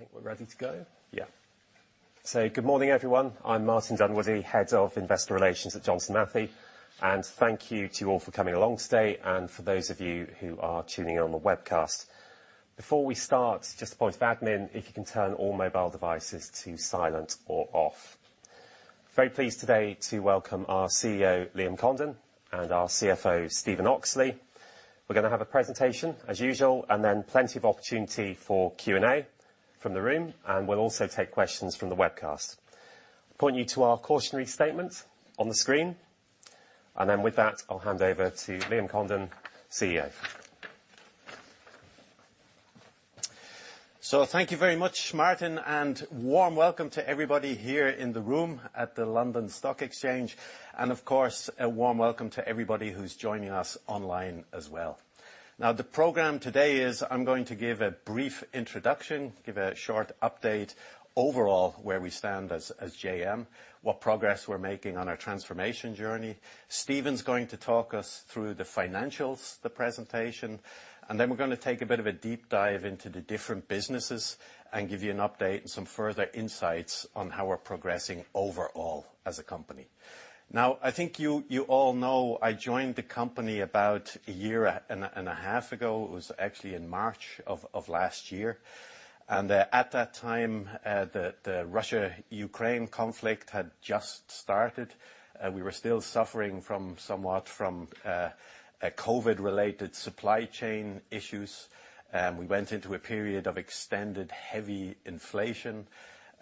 Right. I think we're ready to go? Yeah. So good morning, everyone. I'm Martin Dunwoodie, Head of Investor Relations at Johnson Matthey, and thank you to you all for coming along today, and for those of you who are tuning in on the webcast. Before we start, just a point of admin, if you can turn all mobile devices to silent or off. Very pleased today to welcome our CEO, Liam Condon, and our CFO, Stephen Oxley. We're gonna have a presentation, as usual, and then plenty of opportunity for Q&A from the room, and we'll also take questions from the webcast. Point you to our cautionary statement on the screen. And then with that, I'll hand over to Liam Condon, CEO. So thank you very much, Martin, and warm welcome to everybody here in the room at the London Stock Exchange. And of course, a warm welcome to everybody who's joining us online as well. Now, the program today is, I'm going to give a brief introduction, give a short update overall, where we stand as JM, what progress we're making on our transformation journey. Stephen's going to talk us through the financials, the presentation, and then we're gonna take a bit of a deep dive into the different businesses and give you an update and some further insights on how we're progressing overall as a company. Now, I think you all know I joined the company about a year and a half ago. It was actually in March of last year. And at that time, the Russia-Ukraine conflict had just started. We were still suffering somewhat from COVID-related supply chain issues. We went into a period of extended heavy inflation.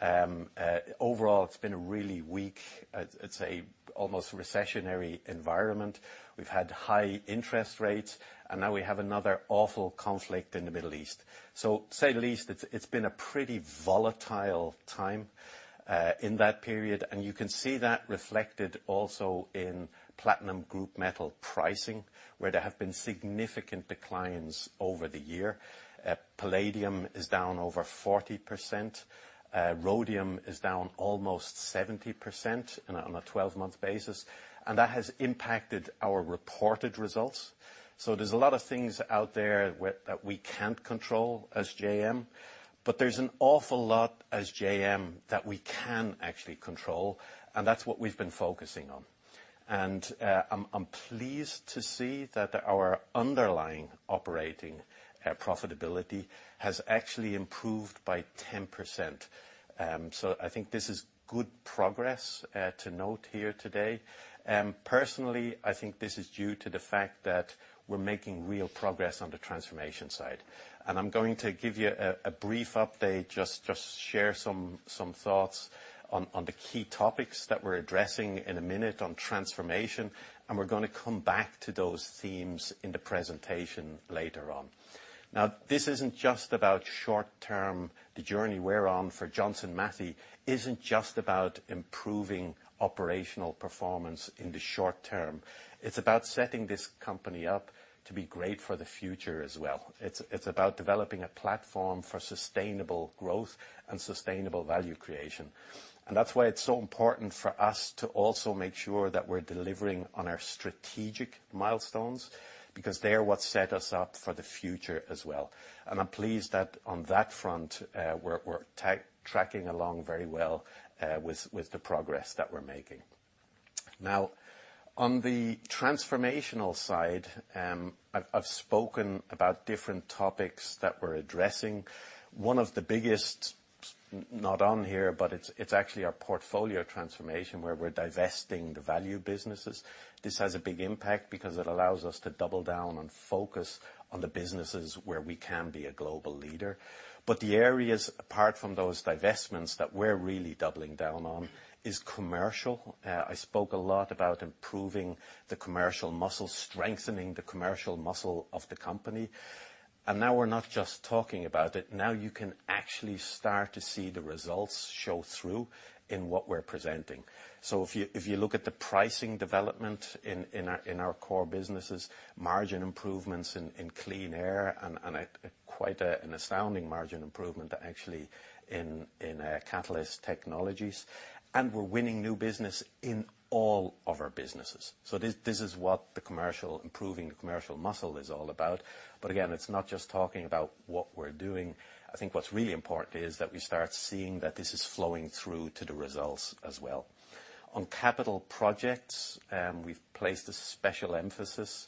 Overall, it's been a really weak, I'd say, almost recessionary environment. We've had high interest rates, and now we have another awful conflict in the Middle East. So to say the least, it's been a pretty volatile time in that period, and you can see that reflected also in platinum group metal pricing, where there have been significant declines over the year. Palladium is down over 40%. Rhodium is down almost 70% on a 12-month basis, and that has impacted our reported results. So there's a lot of things out there that we can't control as JM, but there's an awful lot as JM that we can actually control, and that's what we've been focusing on. And I'm pleased to see that our underlying operating profitability has actually improved by 10%. So I think this is good progress to note here today. Personally, I think this is due to the fact that we're making real progress on the transformation side. And I'm going to give you a brief update, just share some thoughts on the key topics that we're addressing in a minute on transformation, and we're gonna come back to those themes in the presentation later on. Now, this isn't just about short term. The journey we're on for Johnson Matthey isn't just about improving operational performance in the short term. It's about setting this company up to be great for the future as well. It's about developing a platform for sustainable growth and sustainable value creation. And that's why it's so important for us to also make sure that we're delivering on our strategic milestones, because they are what set us up for the future as well. And I'm pleased that on that front, we're tracking along very well with the progress that we're making. Now, on the transformational side, I've spoken about different topics that we're addressing. One of the biggest, not on here, but it's actually our portfolio transformation, where we're divesting the Value Businesses. This has a big impact because it allows us to double down and focus on the businesses where we can be a global leader. But the areas, apart from those divestments that we're really doubling down on, is commercial. I spoke a lot about improving the commercial muscle, strengthening the commercial muscle of the company, and now we're not just talking about it. Now you can actually start to see the results show through in what we're presenting. So if you look at the pricing development in our core businesses, margin improvements in Clean Air and a quite an astounding margin improvement, actually, in Catalyst Technologies. And we're winning new business in all of our businesses. So this is what improving the commercial muscle is all about. But again, it's not just talking about what we're doing. I think what's really important is that we start seeing that this is flowing through to the results as well. On capital projects, we've placed a special emphasis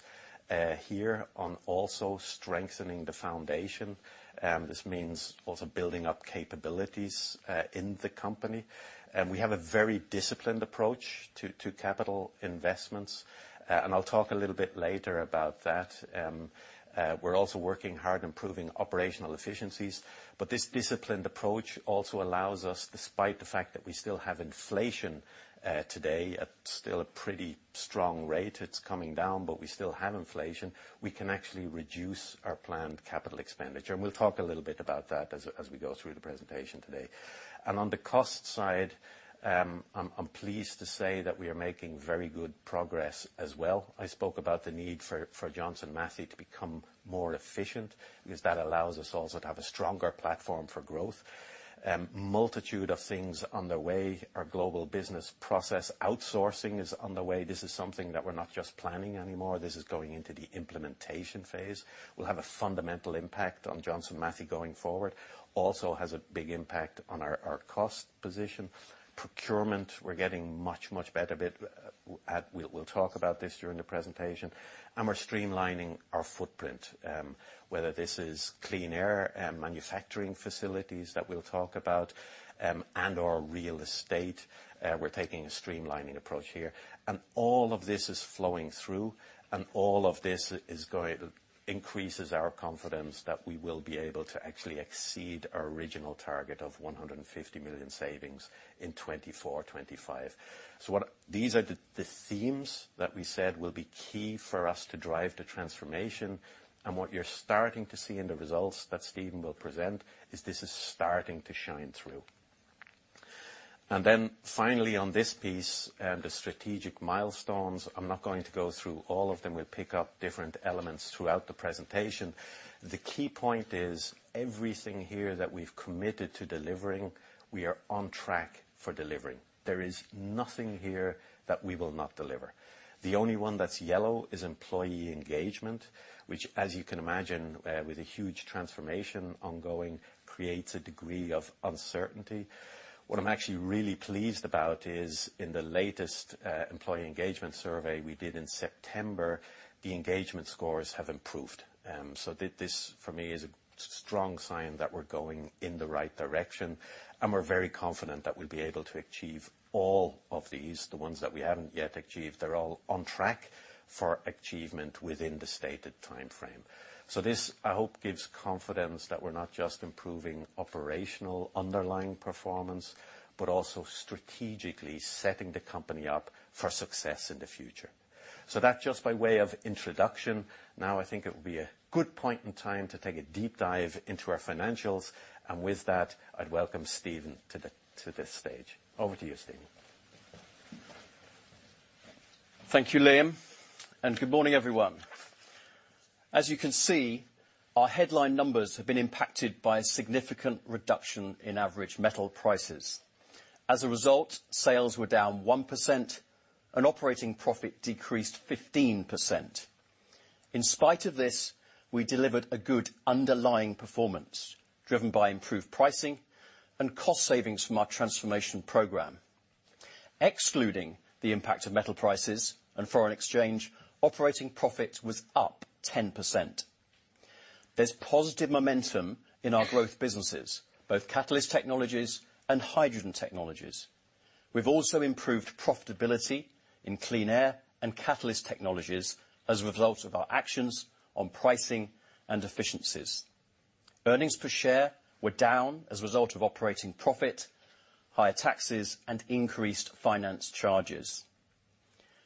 here on also strengthening the foundation. This means also building up capabilities in the company. And we have a very disciplined approach to capital investments, and I'll talk a little bit later about that. We're also working hard improving operational efficiencies, but this disciplined approach also allows us, despite the fact that we still have inflation today, at still a pretty strong rate, it's coming down, but we still have inflation, we can actually reduce our planned capital expenditure. And we'll talk a little bit about that as we go through the presentation today. And on the cost side, I'm pleased to say that we are making very good progress as well. I spoke about the need for Johnson Matthey to become more efficient, because that allows us also to have a stronger platform for growth. Multitude of things underway. Our global business process outsourcing is underway. This is something that we're not just planning anymore, this is going into the implementation phase. Will have a fundamental impact on Johnson Matthey going forward. Also has a big impact on our cost position. Procurement, we're getting much, much better, but we'll talk about this during the presentation. And we're streamlining our footprint. Whether this is Clean Air and manufacturing facilities that we'll talk about, and/or real estate, we're taking a streamlining approach here. And all of this is flowing through, and all of this is going, increases our confidence that we will be able to actually exceed our original target of 150 million savings in 2024, 2025. These are the, the themes that we said will be key for us to drive the transformation, and what you're starting to see in the results that Stephen will present, is this is starting to shine through. And then finally, on this piece, the strategic milestones, I'm not going to go through all of them, we'll pick up different elements throughout the presentation. The key point is, everything here that we've committed to delivering, we are on track for delivering. There is nothing here that we will not deliver. The only one that's yellow is employee engagement, which, as you can imagine, with a huge transformation ongoing, creates a degree of uncertainty. What I'm actually really pleased about is in the latest, employee engagement survey we did in September, the engagement scores have improved. So this, for me, is a strong sign that we're going in the right direction, and we're very confident that we'll be able to achieve all of these. The ones that we haven't yet achieved, they're all on track for achievement within the stated timeframe. So this, I hope, gives confidence that we're not just improving operational underlying performance, but also strategically setting the company up for success in the future. So that just by way of introduction. Now, I think it would be a good point in time to take a deep dive into our financials, and with that, I'd welcome Stephen to this stage. Over to you, Stephen. Thank you, Liam, and good morning, everyone. As you can see, our headline numbers have been impacted by a significant reduction in average metal prices. As a result, sales were down 1%, and operating profit decreased 15%. In spite of this, we delivered a good underlying performance, driven by improved pricing and cost savings from our transformation program. Excluding the impact of metal prices and foreign exchange, operating profit was up 10%. There's positive momentum in our growth businesses, both Catalyst Technologies and Hydrogen Technologies. We've also improved profitability in Clean Air and Catalyst Technologies as a result of our actions on pricing and efficiencies. Earnings per share were down as a result of operating profit, higher taxes, and increased finance charges.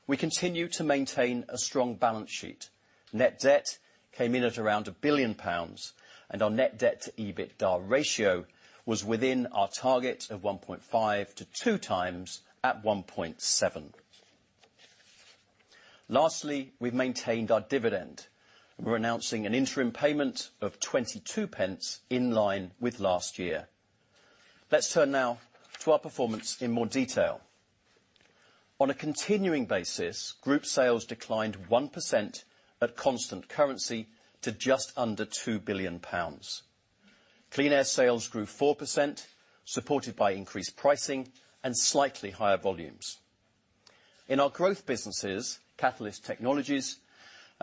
We continue to maintain a strong balance sheet. Net debt came in at around 1 billion pounds, and our net debt-to-EBITDA ratio was within our target of 1.5-2 times at 1.7. Lastly, we've maintained our dividend. We're announcing an interim payment of 0.22 in line with last year. Let's turn now to our performance in more detail. On a continuing basis, group sales declined 1% at constant currency to just under 2 billion pounds. Clean Air sales grew 4%, supported by increased pricing and slightly higher volumes. In our growth businesses, Catalyst Technologies,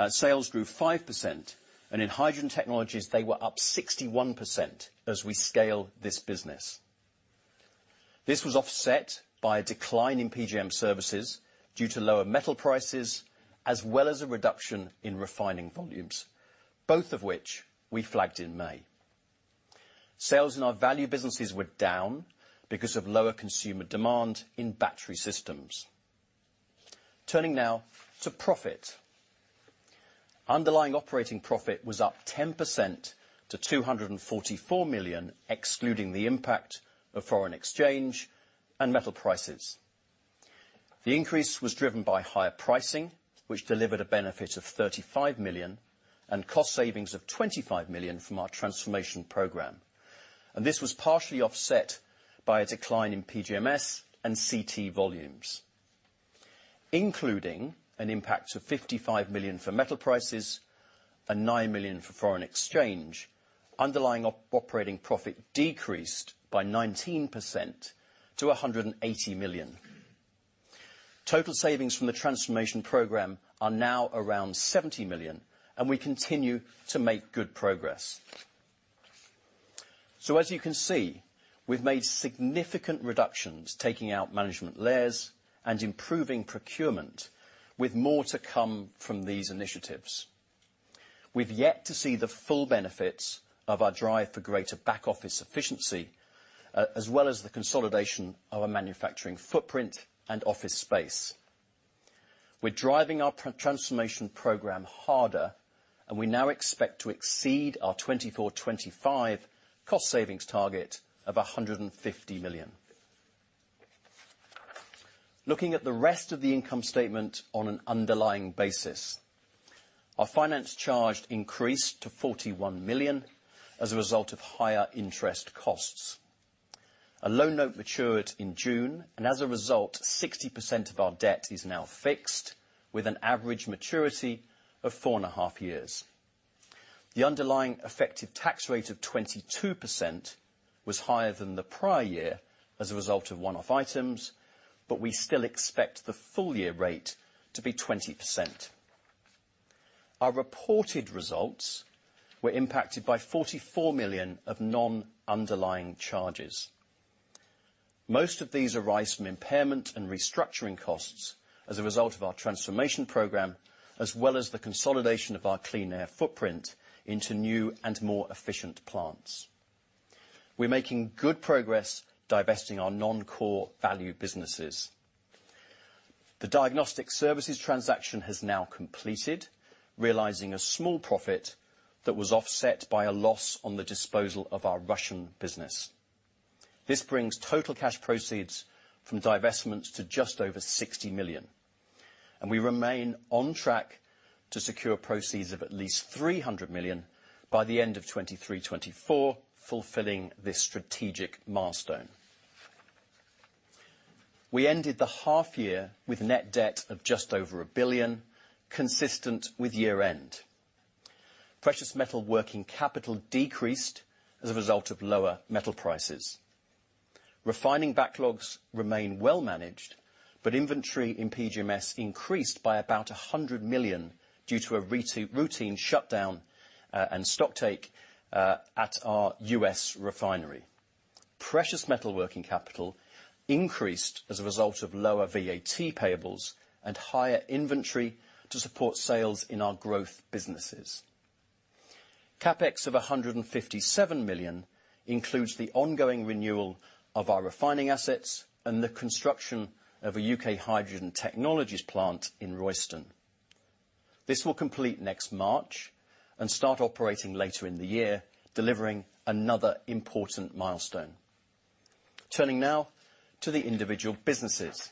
sales grew 5%, and in Hydrogen Technologies, they were up 61% as we scale this business. This was offset by a decline in PGM Services due to lower metal prices, as well as a reduction in refining volumes, both of which we flagged in May. Sales in our Value Businesses were down because of lower consumer demand in battery systems. Turning now to profit. Underlying operating profit was up 10% to 244 million, excluding the impact of foreign exchange and metal prices. The increase was driven by higher pricing, which delivered a benefit of 35 million and cost savings of 25 million from our transformation program, and this was partially offset by a decline in PGMs and CT volumes. Including an impact to 55 million for metal prices and 9 million for foreign exchange, underlying operating profit decreased by 19% to 180 million. Total savings from the transformation program are now around 70 million, and we continue to make good progress. So as you can see, we've made significant reductions, taking out management layers and improving procurement, with more to come from these initiatives. We've yet to see the full benefits of our drive for greater back office efficiency, as well as the consolidation of our manufacturing footprint and office space. We're driving our transformation program harder, and we now expect to exceed our 2024, 2025 cost savings target of 150 million. Looking at the rest of the income statement on an underlying basis. Our finance charge increased to 41 million as a result of higher interest costs. A loan note matured in June, and as a result, 60% of our debt is now fixed, with an average maturity of 4.5 years. The underlying effective tax rate of 22% was higher than the prior year as a result of one-off items, but we still expect the full year rate to be 20%. Our reported results were impacted by 44 million of non-underlying charges. Most of these arise from impairment and restructuring costs as a result of our transformation program, as well as the consolidation of our Clean Air footprint into new and more efficient plants. We're making good progress divesting our non-core Value Businesses. The Diagnostic Services transaction has now completed, realizing a small profit that was offset by a loss on the disposal of our Russian business. This brings total cash proceeds from divestments to just over 60 million, and we remain on track to secure proceeds of at least 300 million by the end of 2023-2024, fulfilling this strategic milestone. We ended the half year with net debt of just over 1 billion, consistent with year-end. Precious metal working capital decreased as a result of lower metal prices. Refining backlogs remain well managed, but inventory in PGMs increased by about 100 million due to a routine shutdown and stock take at our U.S. refinery. Precious metal working capital increased as a result of lower VAT payables and higher inventory to support sales in our growth businesses. CapEx of 157 million includes the ongoing renewal of our refining assets and the construction of a U.K. Hydrogen Technologies plant in Royston. This will complete next March and start operating later in the year, delivering another important milestone. Turning now to the individual businesses.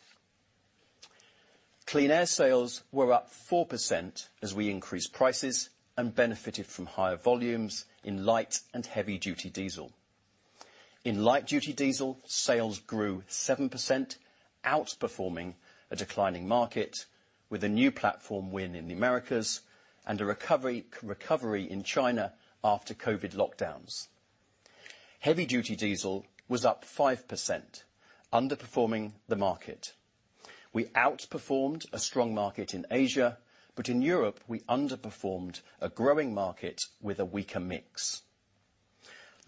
Clean Air sales were up 4% as we increased prices and benefited from higher volumes in light- and heavy-duty diesel. In light-duty diesel, sales grew 7%, outperforming a declining market with a new platform win in the Americas and a recovery in China after COVID lockdowns. Heavy-duty diesel was up 5%, underperforming the market. We outperformed a strong market in Asia, but in Europe, we underperformed a growing market with a weaker mix.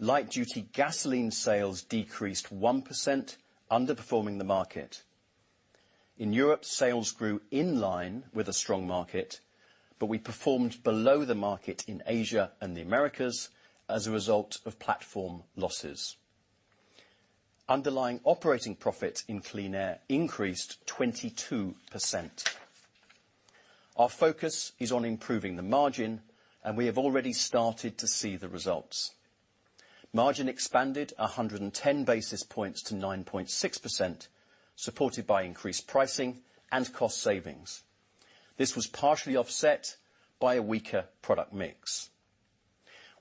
Light-duty gasoline sales decreased 1%, underperforming the market. In Europe, sales grew in line with a strong market, but we performed below the market in Asia and the Americas as a result of platform losses. Underlying operating profit in Clean Air increased 22%. Our focus is on improving the margin, and we have already started to see the results. Margin expanded 110 basis points to 9.6%, supported by increased pricing and cost savings. This was partially offset by a weaker product mix.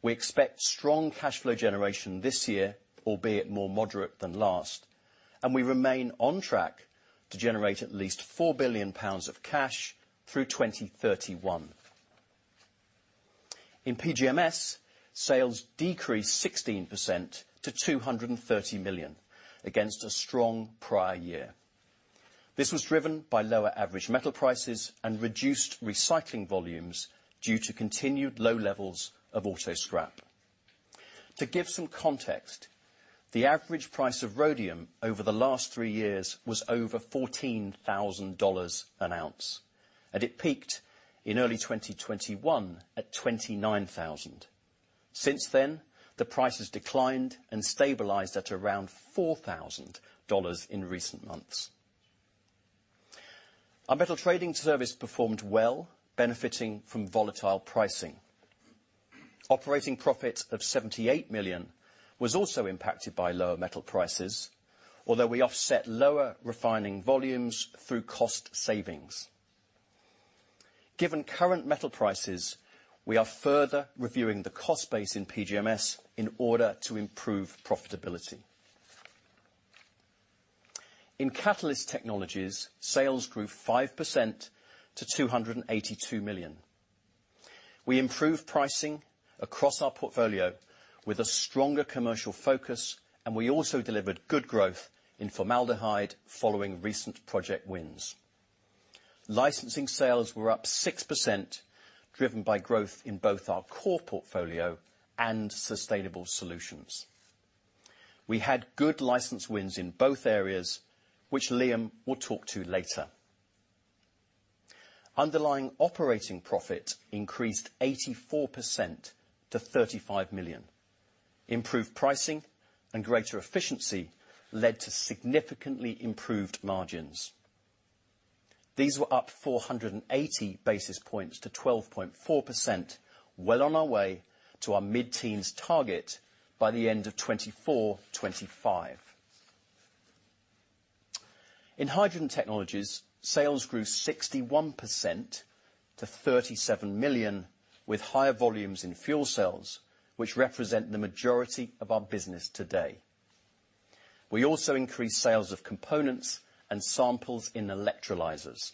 We expect strong cash flow generation this year, albeit more moderate than last, and we remain on track to generate at least 4 billion pounds of cash through 2031. In PGMS, sales decreased 16% to 230 million, against a strong prior year. This was driven by lower average metal prices and reduced recycling volumes due to continued low levels of auto scrap. To give some context, the average price of rhodium over the last three years was over $14,000 an ounce, and it peaked in early 2021 at $29,000. Since then, the price has declined and stabilized at around $4,000 in recent months. Our metal trading service performed well, benefiting from volatile pricing. Operating profit of 78 million was also impacted by lower metal prices, although we offset lower refining volumes through cost savings. Given current metal prices, we are further reviewing the cost base in PGMS in order to improve profitability. In Catalyst Technologies, sales grew 5% to 282 million. We improved pricing across our portfolio with a stronger commercial focus, and we also delivered good growth in formaldehyde following recent project wins. Licensing sales were up 6%, driven by growth in both our core portfolio and sustainable solutions. We had good license wins in both areas, which Liam will talk to later. Underlying operating profit increased 84% to 35 million. Improved pricing and greater efficiency led to significantly improved margins. These were up 480 basis points to 12.4%, well on our way to our mid-teens target by the end of 2024-2025. In Hydrogen Technologies, sales grew 61% to 37 million, with higher volumes in fuel cells, which represent the majority of our business today. We also increased sales of components and samples in electrolyzers.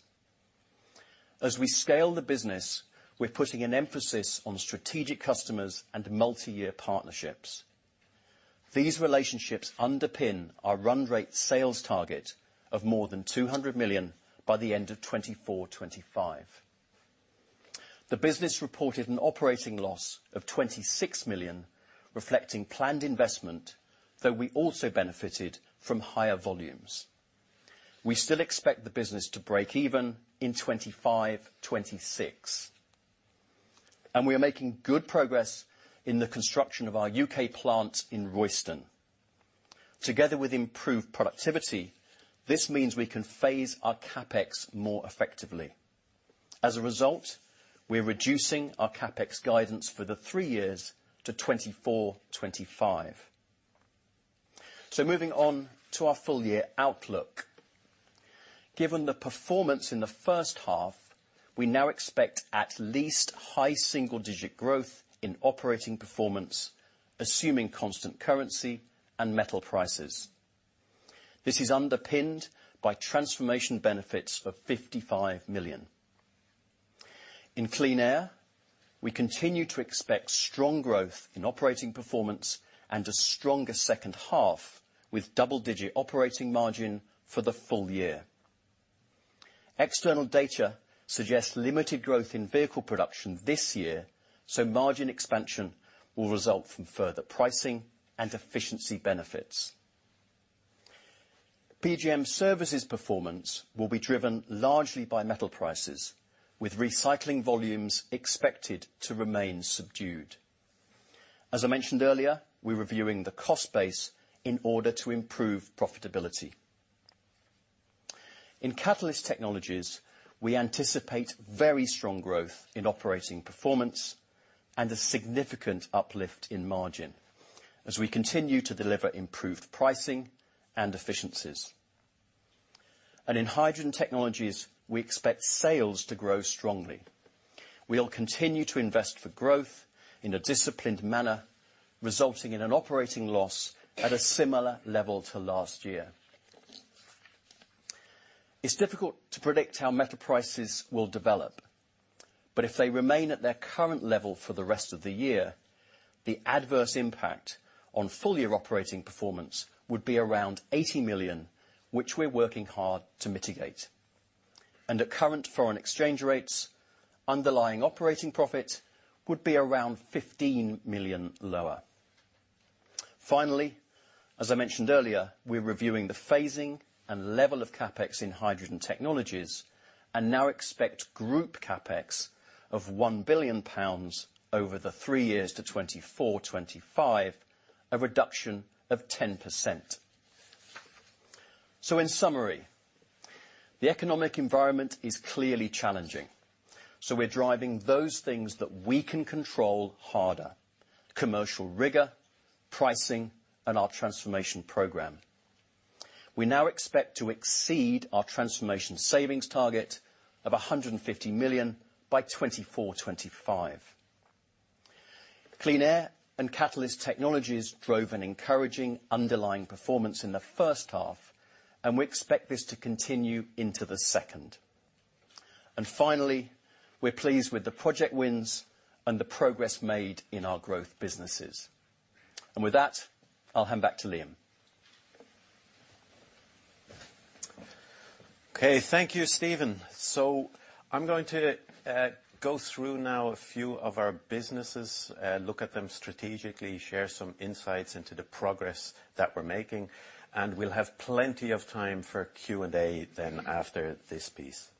As we scale the business, we're putting an emphasis on strategic customers and multi-year partnerships. These relationships underpin our run rate sales target of more than 200 million by the end of 2024, 2025. The business reported an operating loss of 26 million, reflecting planned investment, though we also benefited from higher volumes. We still expect the business to break even in 2025, 2026. We are making good progress in the construction of our UK plant in Royston. Together with improved productivity, this means we can phase our CapEx more effectively. As a result, we are reducing our CapEx guidance for the three years to 2024, 2025. Moving on to our full year outlook. Given the performance in the first half, we now expect at least high single-digit growth in operating performance, assuming constant currency and metal prices. This is underpinned by transformation benefits of 55 million. In Clean Air, we continue to expect strong growth in operating performance and a stronger second half, with double-digit operating margin for the full year. External data suggests limited growth in vehicle production this year, so margin expansion will result from further pricing and efficiency benefits. PGM Services performance will be driven largely by metal prices, with recycling volumes expected to remain subdued. As I mentioned earlier, we're reviewing the cost base in order to improve profitability. In Catalyst Technologies, we anticipate very strong growth in operating performance and a significant uplift in margin as we continue to deliver improved pricing and efficiencies. In Hydrogen Technologies, we expect sales to grow strongly. We'll continue to invest for growth in a disciplined manner, resulting in an operating loss at a similar level to last year. It's difficult to predict how metal prices will develop, but if they remain at their current level for the rest of the year, the adverse impact on full-year operating performance would be around 80 million, which we're working hard to mitigate. And at current foreign exchange rates, underlying operating profit would be around 15 million lower. Finally, as I mentioned earlier, we're reviewing the phasing and level of CapEx in Hydrogen Technologies, and now expect group CapEx of 1 billion pounds over the three years to 2024, 2025, a reduction of 10%. So in summary, the economic environment is clearly challenging, so we're driving those things that we can control harder: commercial rigor, pricing, and our transformation program. We now expect to exceed our transformation savings target of 150 million by 2024, 2025. Clean Air and Catalyst Technologies drove an encouraging underlying performance in the first half, and we expect this to continue into the second. Finally, we're pleased with the project wins and the progress made in our growth businesses. With that, I'll hand back to Liam. Okay. Thank you, Stephen. So I'm going to go through now a few of our businesses, look at them strategically, share some insights into the progress that we're making, and we'll have plenty of time for Q&A then after this piece.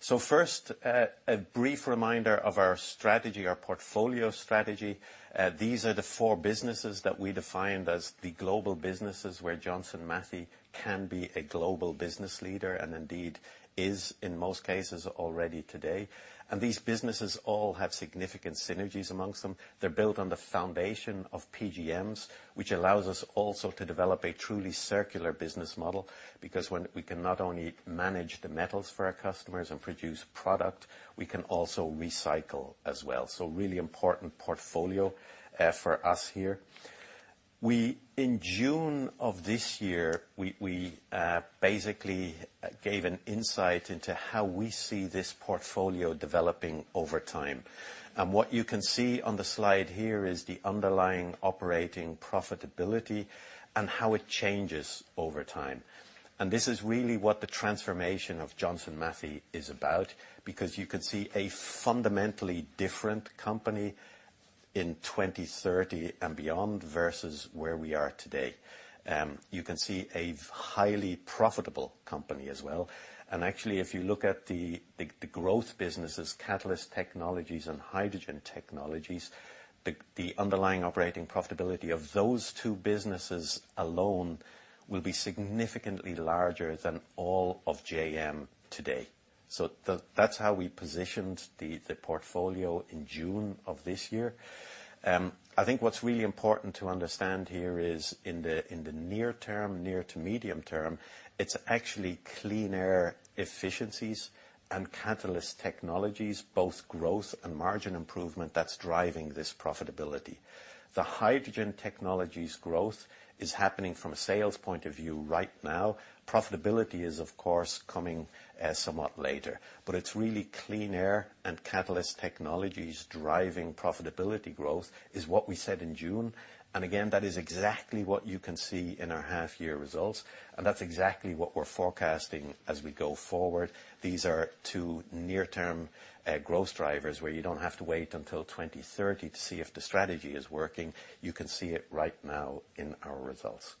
So first, a brief reminder of our strategy, our portfolio strategy. These are the four businesses that we defined as the global businesses, where Johnson Matthey can be a global business leader and indeed is, in most cases, already today. And these businesses all have significant synergies among them. They're built on the foundation of PGMs, which allows us also to develop a truly circular business model, because when we can not only manage the metals for our customers and produce product, we can also recycle as well. So really important portfolio for us here. In June of this year, we basically gave an insight into how we see this portfolio developing over time. And what you can see on the slide here is the underlying operating profitability and how it changes over time. And this is really what the transformation of Johnson Matthey is about, because you can see a fundamentally different company in 2030 and beyond versus where we are today. You can see a highly profitable company as well. And actually, if you look at the growth businesses, Catalyst Technologies and Hydrogen Technologies, the underlying operating profitability of those two businesses alone will be significantly larger than all of JM today. So that's how we positioned the portfolio in June of this year. I think what's really important to understand here is in the, in the near term, near to medium term, it's actually Clean Air efficiencies and Catalyst Technologies, both growth and margin improvement, that's driving this profitability. The Hydrogen Technologies growth is happening from a sales point of view right now. Profitability is, of course, coming, somewhat later. But it's really Clean Air and Catalyst Technologies driving profitability growth, is what we said in June. And again, that is exactly what you can see in our half year results, and that's exactly what we're forecasting as we go forward. These are two near-term, growth drivers, where you don't have to wait until 2030 to see if the strategy is working. You can see it right now in our results.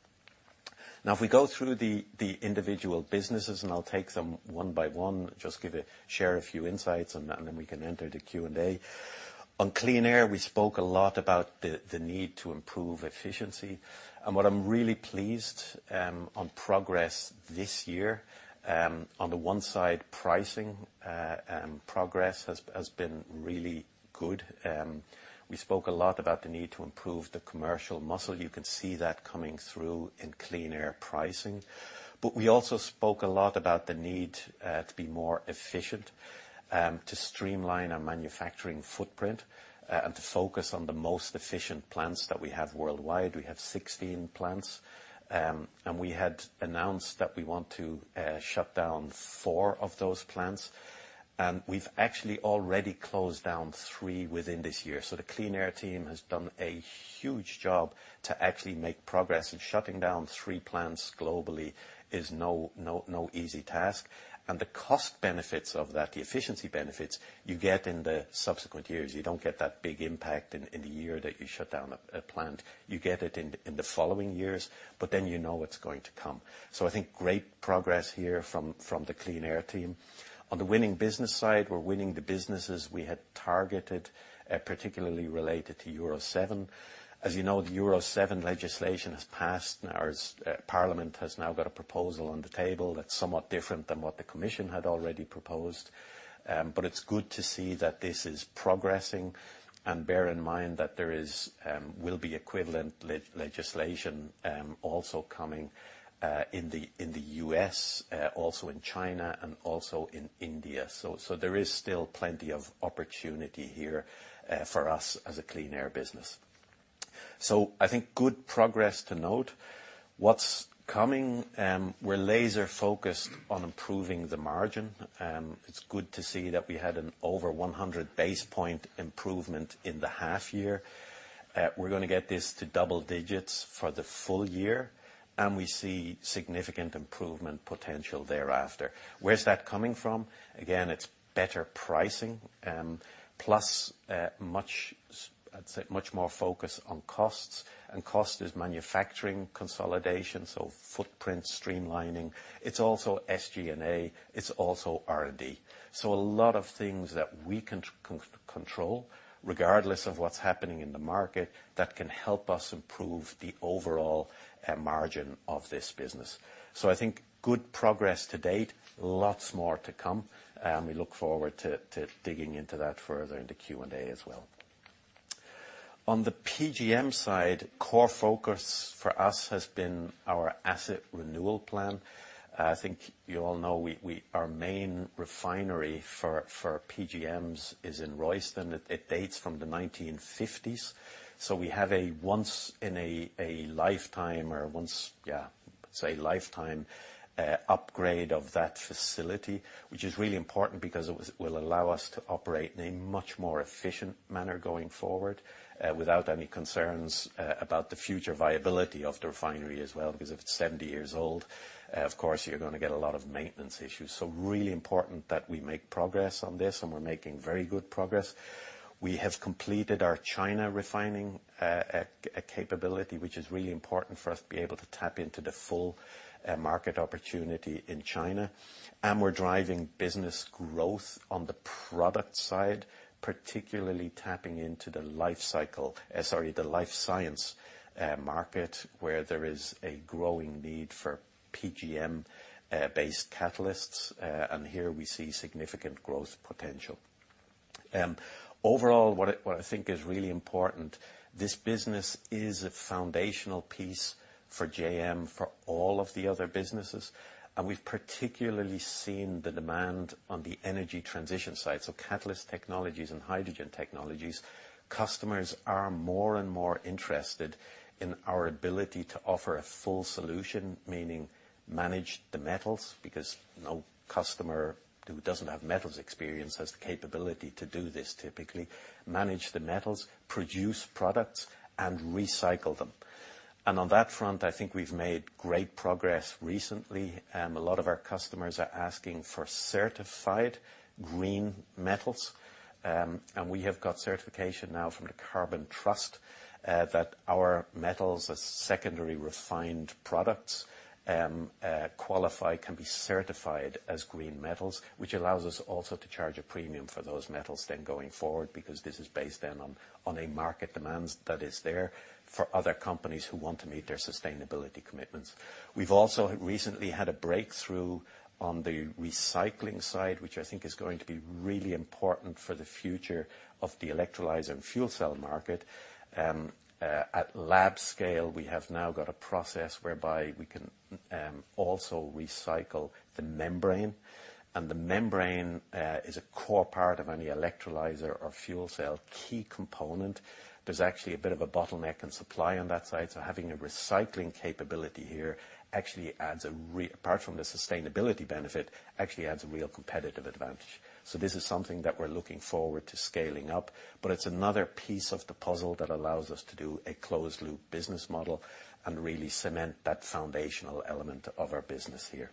Now, if we go through the individual businesses, and I'll take them one by one, just share a few insights on that, and then we can enter the Q&A. On Clean Air, we spoke a lot about the need to improve efficiency. And what I'm really pleased on progress this year, on the one side, pricing progress has been really good. We spoke a lot about the need to improve the commercial muscle. You can see that coming through in Clean Air pricing. But we also spoke a lot about the need to be more efficient, to streamline our manufacturing footprint, and to focus on the most efficient plants that we have worldwide. We have 16 plants, and we had announced that we want to shut down 4 of those plants. We've actually already closed down three within this year. So the Clean Air team has done a huge job to actually make progress, and shutting down three plants globally is no, no, no easy task. The cost benefits of that, the efficiency benefits, you get in the subsequent years. You don't get that big impact in the year that you shut down a plant. You get it in the following years, but then you know it's going to come. So I think great progress here from the Clean Air team. On the winning business side, we're winning the businesses we had targeted, particularly related to Euro 7. As you know, the Euro 7 legislation has passed, and our Parliament has now got a proposal on the table that's somewhat different than what the commission had already proposed. But it's good to see that this is progressing. And bear in mind that there will be equivalent legislation also coming in the U.S. also in China and also in India. So there is still plenty of opportunity here for us as a Clean Air business. So I think good progress to note. What's coming, we're laser focused on improving the margin. It's good to see that we had an over 100 basis point improvement in the half year. We're gonna get this to double digits for the full year, and we see significant improvement potential thereafter. Where's that coming from? Again, it's better pricing, plus much, I'd say, much more focus on costs, and cost is manufacturing consolidation, so footprint streamlining. It's also SG&A, it's also R&D. So a lot of things that we can control, regardless of what's happening in the market, that can help us improve the overall margin of this business. So I think good progress to date. Lots more to come, and we look forward to digging into that further in the Q&A as well. On the PGM side, core focus for us has been our asset renewal plan. I think you all know our main refinery for PGMs is in Royston. It dates from the 1950s, so we have a once in a lifetime upgrade of that facility, which is really important because it will allow us to operate in a much more efficient manner going forward, without any concerns about the future viability of the refinery as well, because if it's 70 years old, of course, you're gonna get a lot of maintenance issues. So really important that we make progress on this, and we're making very good progress. We have completed our China refining capability, which is really important for us to be able to tap into the full market opportunity in China. And we're driving business growth on the product side, particularly tapping into the life cycle, sorry, the life science market, where there is a growing need for PGM-based catalysts, and here we see significant growth potential. Overall, what I, what I think is really important, this business is a foundational piece for JM, for all of the other businesses, and we've particularly seen the demand on the energy transition side. So catalyst technologies and hydrogen technologies, customers are more and more interested in our ability to offer a full solution, meaning manage the metals, because no customer who doesn't have metals experience has the capability to do this typically. Manage the metals, produce products, and recycle them. And on that front, I think we've made great progress recently, a lot of our customers are asking for certified green metals. We have got certification now from the Carbon Trust that our metals are secondary refined products, can be certified as green metals, which allows us also to charge a premium for those metals then going forward, because this is based then on a market demands that is there for other companies who want to meet their sustainability commitments. We've also recently had a breakthrough on the recycling side, which I think is going to be really important for the future of the electrolyzer and fuel cell market. At lab scale, we have now got a process whereby we can also recycle the membrane, and the membrane is a core part of any electrolyzer or fuel cell, key component. There's actually a bit of a bottleneck in supply on that side, so having a recycling capability here actually adds a apart from the sustainability benefit, actually adds a real competitive advantage. So this is something that we're looking forward to scaling up, but it's another piece of the puzzle that allows us to do a closed loop business model and really cement that foundational element of our business here.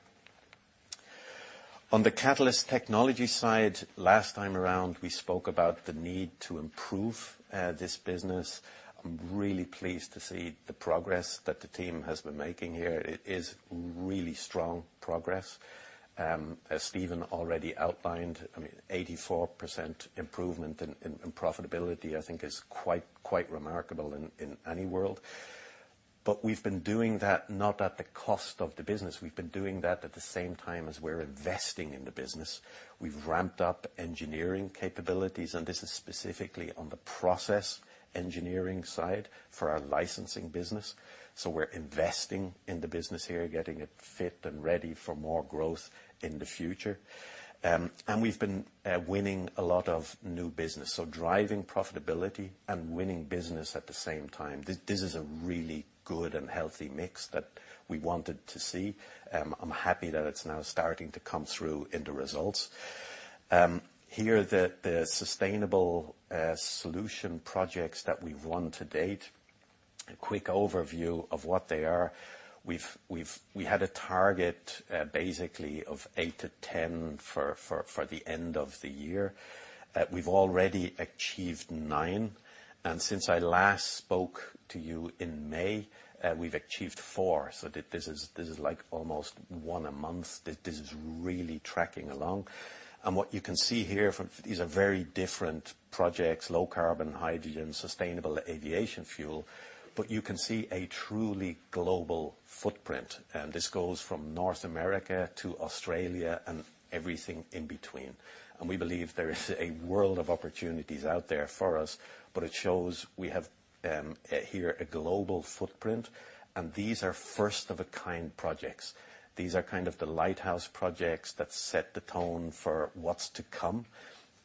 On the catalyst technology side, last time around, we spoke about the need to improve this business. I'm really pleased to see the progress that the team has been making here. It is really strong progress. As Stephen already outlined, I mean, 84% improvement in profitability, I think is quite, quite remarkable in any world. But we've been doing that not at the cost of the business. We've been doing that at the same time as we're investing in the business. We've ramped up engineering capabilities, and this is specifically on the process engineering side for our licensing business. So we're investing in the business here, getting it fit and ready for more growth in the future. And we've been winning a lot of new business, so driving profitability and winning business at the same time. This is a really good and healthy mix that we wanted to see. I'm happy that it's now starting to come through in the results. Here, the sustainable solution projects that we've won to date, a quick overview of what they are. We had a target basically of 8-10 for the end of the year. We've already achieved 9, and since I last spoke to you in May, we've achieved 4. So this is, this is like almost 1 a month. This is really tracking along. And what you can see here from these are very different projects, low carbon, hydrogen, sustainable aviation fuel, but you can see a truly global footprint. And this goes from North America to Australia and everything in between. And we believe there is a world of opportunities out there for us, but it shows we have, here, a global footprint, and these are first-of-a-kind projects. These are kind of the lighthouse projects that set the tone for what's to come.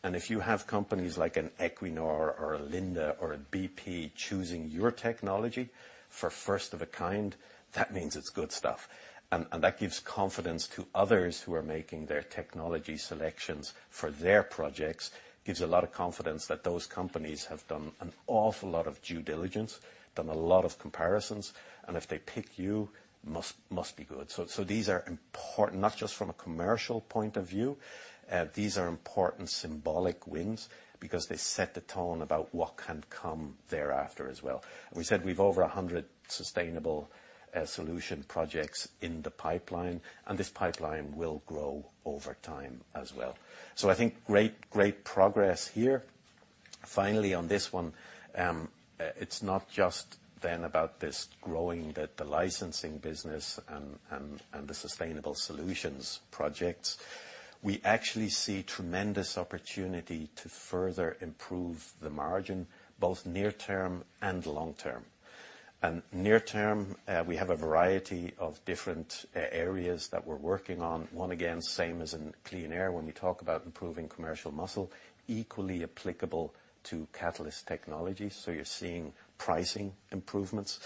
And if you have companies like an Equinor or a Linde or a BP, choosing your technology for first-of-a-kind, that means it's good stuff. That gives confidence to others who are making their technology selections for their projects. Gives a lot of confidence that those companies have done an awful lot of due diligence, done a lot of comparisons, and if they pick you, must, must be good. These are important, not just from a commercial point of view, these are important symbolic wins because they set the tone about what can come thereafter as well. We said we've over 100 sustainable solution projects in the pipeline, and this pipeline will grow over time as well. I think great, great progress here. Finally, on this one, it's not just then about this growing, the licensing business and the sustainable solutions projects. We actually see tremendous opportunity to further improve the margin, both near term and long term. Near term, we have a variety of different areas that we're working on. Once again, same as in Clean Air, when we talk about improving commercial muscle, equally applicable to Catalyst Technologies. So you're seeing pricing improvements.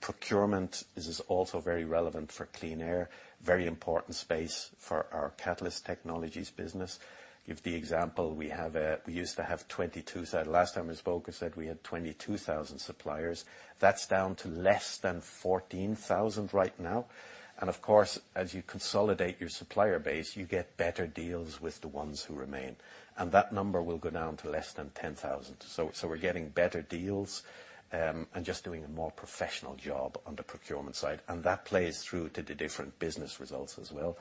Procurement is also very relevant for Clean Air, very important space for our Catalyst Technologies business. For example, we used to have 22, so last time we spoke, I said we had 22,000 suppliers. That's down to less than 14,000 right now. And of course, as you consolidate your supplier base, you get better deals with the ones who remain. And that number will go down to less than 10,000. So we're getting better deals, and just doing a more professional job on the procurement side, and that plays through to the different business results as well.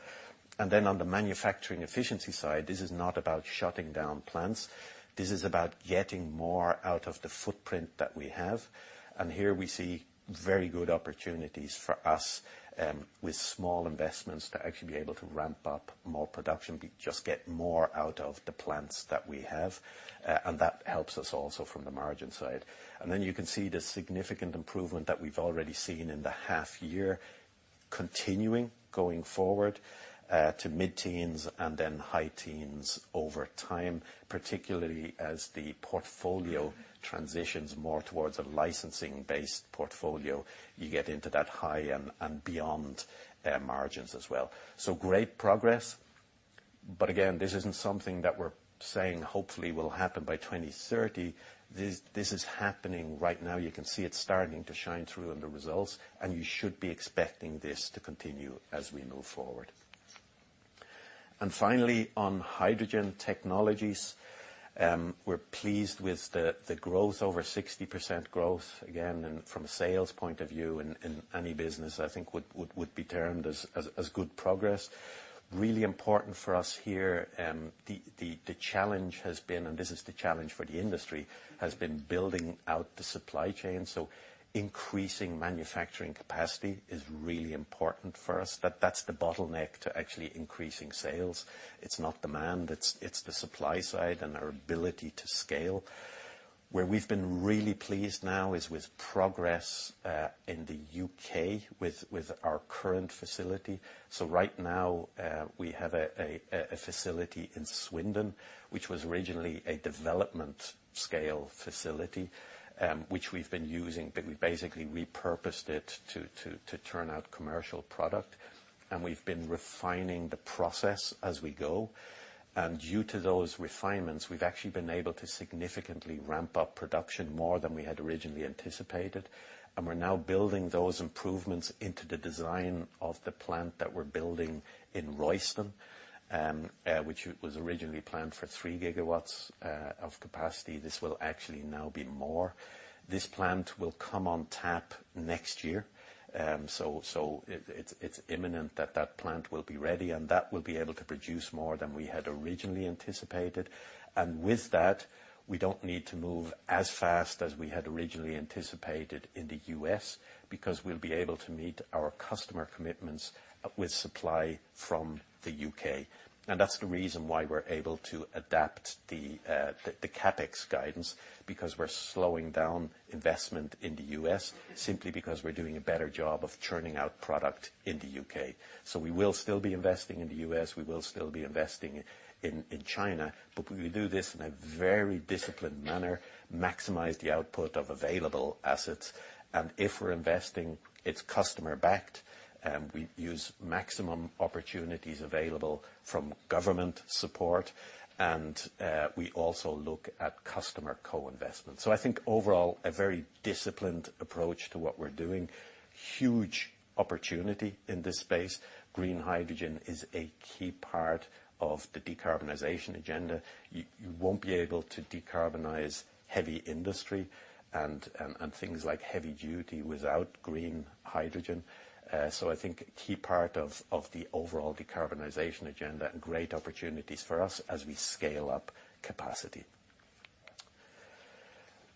And then on the manufacturing efficiency side, this is not about shutting down plants. This is about getting more out of the footprint that we have. And here we see very good opportunities for us, with small investments, to actually be able to ramp up more production, we just get more out of the plants that we have, and that helps us also from the margin side. And then you can see the significant improvement that we've already seen in the half year, continuing, going forward, to mid-teens and then high teens over time, particularly as the portfolio transitions more towards a licensing-based portfolio, you get into that high and, and beyond, margins as well. So great progress. But again, this isn't something that we're saying hopefully will happen by 2030. This is happening right now. You can see it starting to shine through in the results, and you should be expecting this to continue as we move forward. And finally, on hydrogen technologies, we're pleased with the growth, over 60% growth, again, and from a sales point of view in any business, I think would be termed as good progress. Really important for us here, the challenge has been, and this is the challenge for the industry, has been building out the supply chain. So increasing manufacturing capacity is really important for us. That's the bottleneck to actually increasing sales. It's not demand, it's the supply side and our ability to scale. Where we've been really pleased now is with progress in the U.K. with our current facility. So right now, we have a facility in Swindon, which was originally a development scale facility, which we've been using, but we basically repurposed it to turn out commercial product, and we've been refining the process as we go. Due to those refinements, we've actually been able to significantly ramp up production more than we had originally anticipated. We're now building those improvements into the design of the plant that we're building in Royston, which was originally planned for 3 gigawatts of capacity. This will actually now be more. This plant will come on tap next year. So it is imminent that that plant will be ready, and that will be able to produce more than we had originally anticipated. And with that, we don't need to move as fast as we had originally anticipated in the U.S. because we'll be able to meet our customer commitments with supply from the U.K. And that's the reason why we're able to adapt the CapEx guidance, because we're slowing down investment in the U.S., simply because we're doing a better job of churning out product in the U.K. So we will still be investing in the U.S., we will still be investing in China, but we do this in a very disciplined manner, maximize the output of available assets, and if we're investing, it's customer-backed, we use maximum opportunities available from government support, and we also look at customer co-investment. So I think overall, a very disciplined approach to what we're doing. Huge opportunity in this space. Green hydrogen is a key part of the decarbonization agenda. You won't be able to decarbonize heavy industry and, and things like heavy duty without green hydrogen. So I think a key part of, of the overall decarbonization agenda, great opportunities for us as we scale up capacity.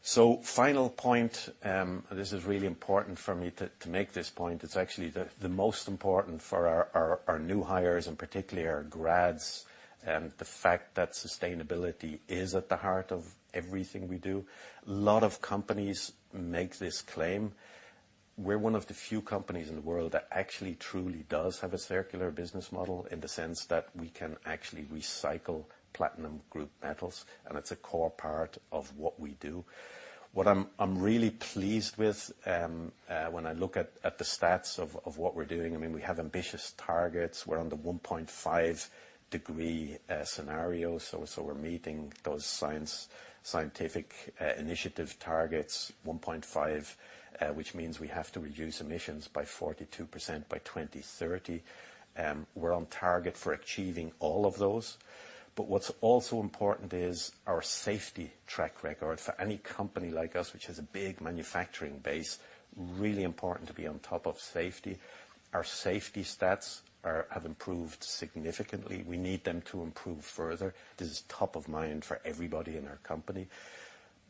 So final point, this is really important for me to, to make this point. It's actually the, the most important for our, our, our new hires, and particularly our grads, the fact that sustainability is at the heart of everything we do. A lot of companies make this claim. We're one of the few companies in the world that actually truly does have a circular business model in the sense that we can actually recycle platinum group metals, and it's a core part of what we do. What I'm really pleased with, when I look at the stats of what we're doing, I mean, we have ambitious targets. We're on the 1.5 degree scenario, so we're meeting those scientific initiative targets, 1.5, which means we have to reduce emissions by 42% by 2030. We're on target for achieving all of those. But what's also important is our safety track record. For any company like us, which has a big manufacturing base, really important to be on top of safety. Our safety stats have improved significantly. We need them to improve further. This is top of mind for everybody in our company.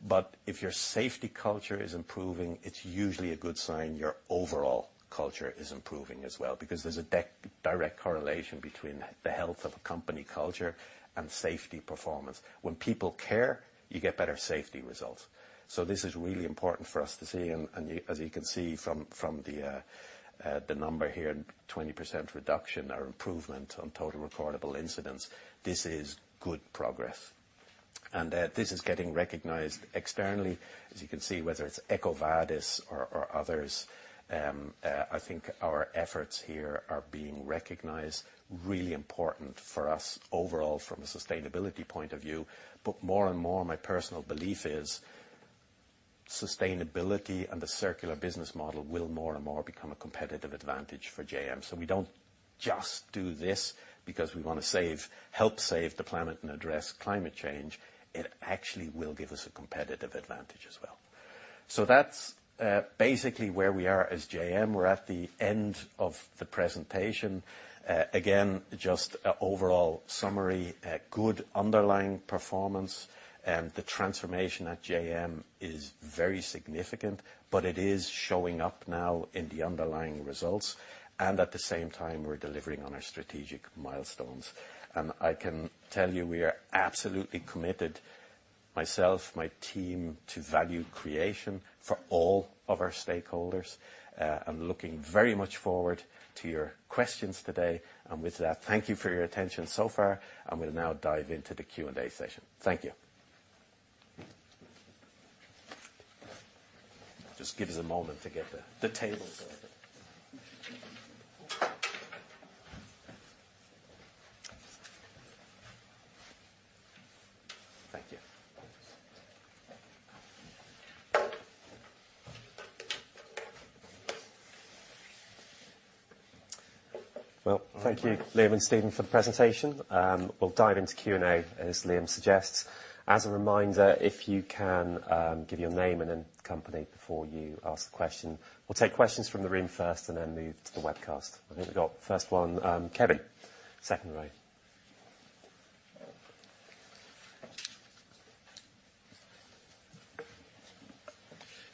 But if your safety culture is improving, it's usually a good sign your overall culture is improving as well, because there's a direct correlation between the health of a company culture and safety performance. When people care, you get better safety results. So this is really important for us to see, and as you can see from the number here, 20% reduction or improvement on total recordable incidents, this is good progress. And this is getting recognized externally, as you can see, whether it's EcoVadis or others, I think our efforts here are being recognized. Really important for us overall from a sustainability point of view, but more and more, my personal belief is sustainability and the circular business model will more and more become a competitive advantage for JM. So we don't just do this because we wanna help save the planet and address climate change, it actually will give us a competitive advantage as well. So that's, basically where we are as JM. We're at the end of the presentation. Again, just a overall summary, a good underlying performance, and the transformation at JM is very significant, but it is showing up now in the underlying results, and at the same time, we're delivering on our strategic milestones. And I can tell you, we are absolutely committed, myself, my team, to value creation for all of our stakeholders, I'm looking very much forward to your questions today. And with that, thank you for your attention so far, and we'll now dive into the Q&A session. Thank you. Just give us a moment to get the tables. Thank you. Well, thank you, Liam and Stephen, for the presentation. We'll dive into Q&A, as Liam suggests. As a reminder, if you can, give your name and then company before you ask the question. We'll take questions from the room first and then move to the webcast. I think we've got first one, Kevin, second row.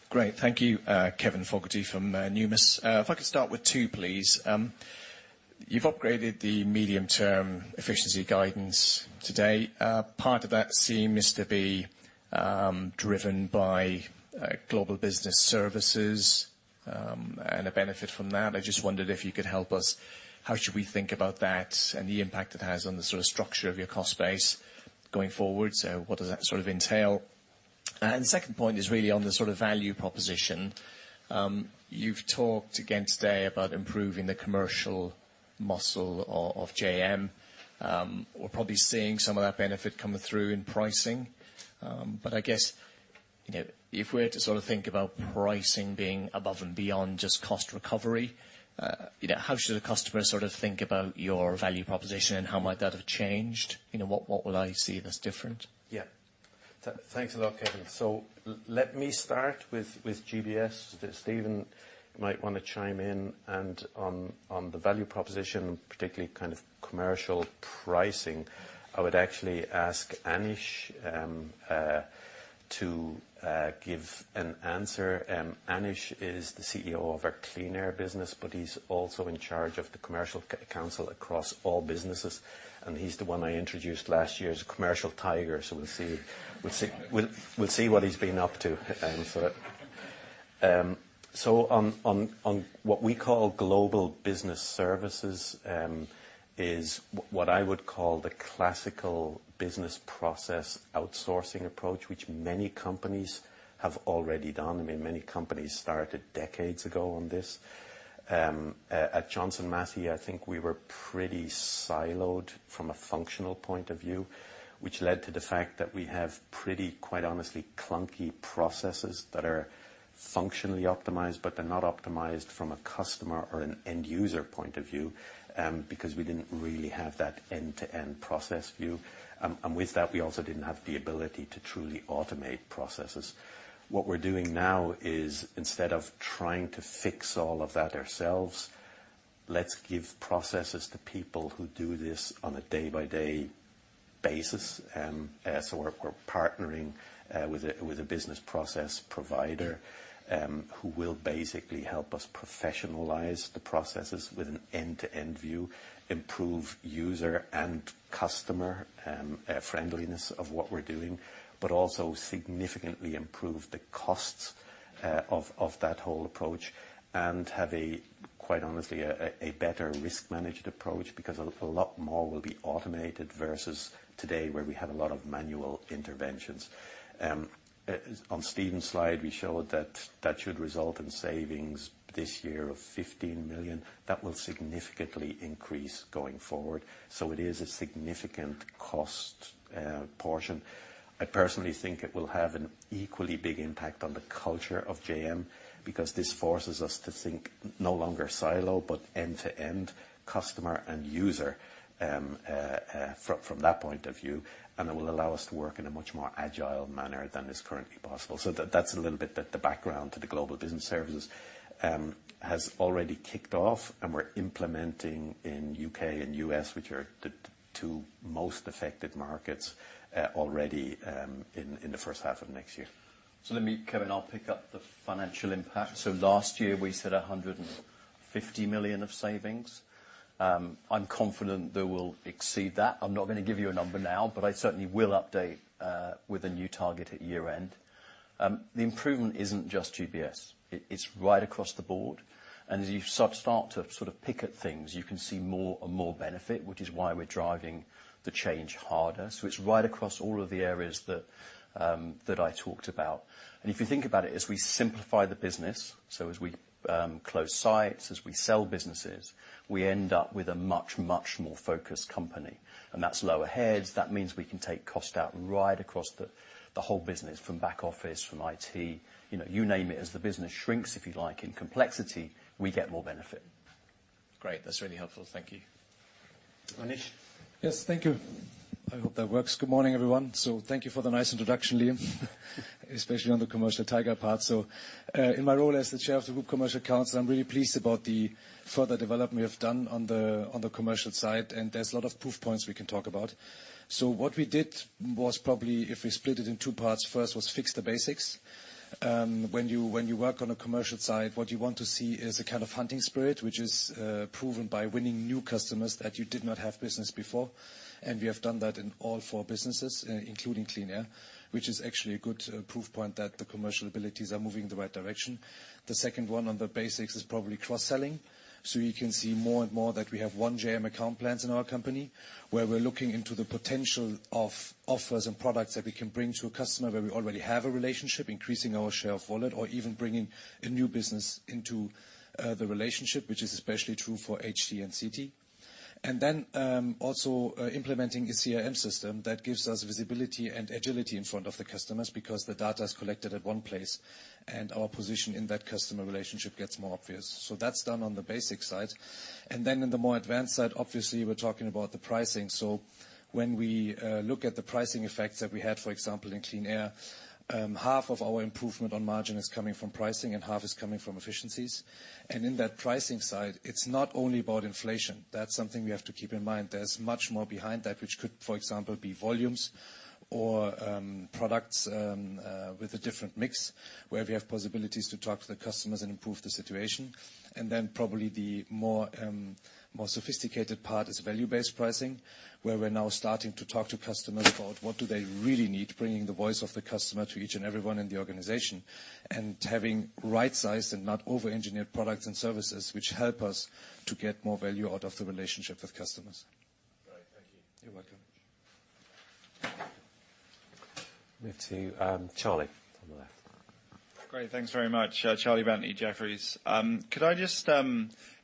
Great. Thank you. Kevin Fogarty from Numis. If I could start with two, please. You've upgraded the medium-term efficiency guidance today. Part of that seems to be driven by Global Business Services and a benefit from that. I just wondered if you could help us, how should we think about that and the impact it has on the sort of structure of your cost base going forward? So what does that sort of entail? And the second point is really on the sort of value proposition. You've talked again today about improving the commercial muscle of JM. We're probably seeing some of that benefit coming through in pricing. But I guess, you know, if we're to sort of think about pricing being above and beyond just cost recovery, you know, how should a customer sort of think about your value proposition, and how might that have changed? You know, what will I see that's different? Yeah. Thanks a lot, Kevin. So let me start with, with GBS, that Stephen might wanna chime in, and on, on the value proposition, particularly kind of commercial pricing, I would actually ask Anish to give an answer. Anish is the CEO of our Clean Air business, but he's also in charge of the Commercial Council across all businesses, and he's the one I introduced last year as a commercial tiger. So we'll see, we'll see, we'll, we'll see what he's been up to, so that... So on, on, on what we call Global Business Services, is what I would call the classical business process outsourcing approach, which many companies have already done. I mean, many companies started decades ago on this. At Johnson Matthey, I think we were pretty siloed from a functional point of view, which led to the fact that we have pretty, quite honestly, clunky processes that are functionally optimized, but they're not optimized from a customer or an end-user point of view, because we didn't really have that end-to-end process view. With that, we also didn't have the ability to truly automate processes. What we're doing now is, instead of trying to fix all of that ourselves, let's give processes to people who do this on a day-by-day basis. So we're partnering with a business process provider who will basically help us professionalize the processes with an end-to-end view, improve user and customer friendliness of what we're doing, but also significantly improve the costs of that whole approach, and have, quite honestly, a better risk-managed approach, because a lot more will be automated versus today, where we had a lot of manual interventions. On Stephen's slide, we showed that that should result in savings this year of 15 million. That will significantly increase going forward, so it is a significant cost portion. I personally think it will have an equally big impact on the culture of JM, because this forces us to think no longer silo, but end-to-end, customer and user, from that point of view, and it will allow us to work in a much more agile manner than is currently possible. So that's a little bit the background to the Global Business Services. It has already kicked off, and we're implementing in U.K. and U.S., which are the two most affected markets, already, in the first half of next year. So let me, Kevin, I'll pick up the financial impact. So last year, we said 150 million of savings. I'm confident that we'll exceed that. I'm not going to give you a number now, but I certainly will update with a new target at year end. The improvement isn't just GBS. It, it's right across the board, and as you start to sort of pick at things, you can see more and more benefit, which is why we're driving the change harder. So it's right across all of the areas that that I talked about. And if you think about it, as we simplify the business, so as we close sites, as we sell businesses, we end up with a much, much more focused company, and that's lower heads. That means we can take cost out right across the whole business, from back office, from IT, you know, you name it. As the business shrinks, if you like, in complexity, we get more benefit. Great, that's really helpful. Thank you. Anish? Yes, thank you. I hope that works. Good morning, everyone. So thank you for the nice introduction, Liam, especially on the commercial tiger part. So, in my role as the Chair of the Group Commercial Council, I'm really pleased about the further development we have done on the commercial side, and there's a lot of proof points we can talk about. So what we did was probably, if we split it in two parts, first, was fix the basics. When you work on a commercial side, what you want to see is a kind of hunting spirit, which is proven by winning new customers that you did not have business before. And we have done that in all four businesses, including Clean Air, which is actually a good proof point that the commercial abilities are moving in the right direction. The second one on the basics is probably cross-selling. So you can see more and more that we have One JM account plans in our company, where we're looking into the potential of offers and products that we can bring to a customer, where we already have a relationship, increasing our share of wallet, or even bringing a new business into the relationship, which is especially true for HT and CT. And then, also, implementing a CRM system that gives us visibility and agility in front of the customers because the data is collected at one place, and our position in that customer relationship gets more obvious. So that's done on the basic side. And then in the more advanced side, obviously, we're talking about the pricing. So when we look at the pricing effects that we had, for example, in Clean Air, half of our improvement on margin is coming from pricing and half is coming from efficiencies. And in that pricing side, it's not only about inflation. That's something we have to keep in mind. There's much more behind that, which could, for example, be volumes or products with a different mix, where we have possibilities to talk to the customers and improve the situation. And then probably the more sophisticated part is value-based pricing, where we're now starting to talk to customers about what do they really need, bringing the voice of the customer to each and everyone in the organization, and having right-sized and not over-engineered products and services, which help us to get more value out of the relationship with customers. Great, thank you. You're welcome. Move to, Charlie, on the left. Great. Thanks very much. Charlie Bentley, Jefferies. Could I just...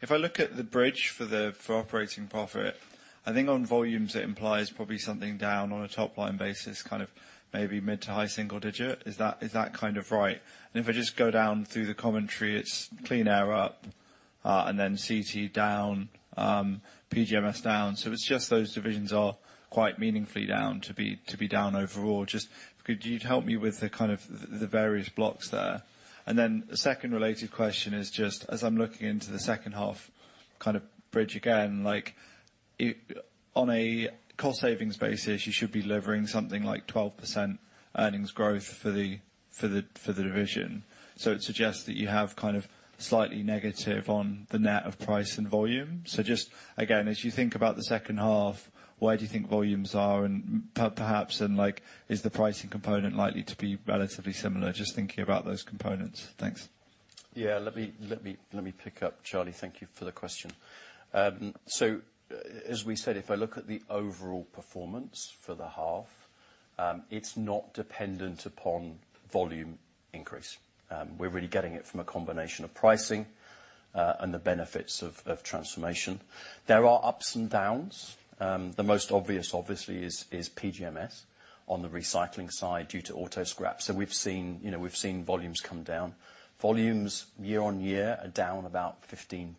If I look at the bridge for the, for operating profit, I think on volumes, it implies probably something down on a top-line basis, kind of maybe mid to high single digit. Is that, is that kind of right? And if I just go down through the commentary, it's Clean Air up, and then CT down, PGMs down. So it's just those divisions are quite meaningfully down to be, to be down overall. Just could you help me with the kind of, the, the various blocks there? And then the second related question is just as I'm looking into the second half kind of bridge again, like, it on a cost savings basis, you should be delivering something like 12% earnings growth for the, for the, for the division. So it suggests that you have kind of slightly negative on the net of price and volume. So just, again, as you think about the second half, where do you think volumes are? And perhaps, and like, is the pricing component likely to be relatively similar? Just thinking about those components. Thanks. Yeah, let me pick up, Charlie. Thank you for the question. So as we said, if I look at the overall performance for the half, it's not dependent upon volume increase. We're really getting it from a combination of pricing and the benefits of transformation. There are ups and downs. The most obvious, obviously, is PGMs on the recycling side due to auto scrap. So we've seen, you know, we've seen volumes come down. Volumes year-on-year are down about 15%,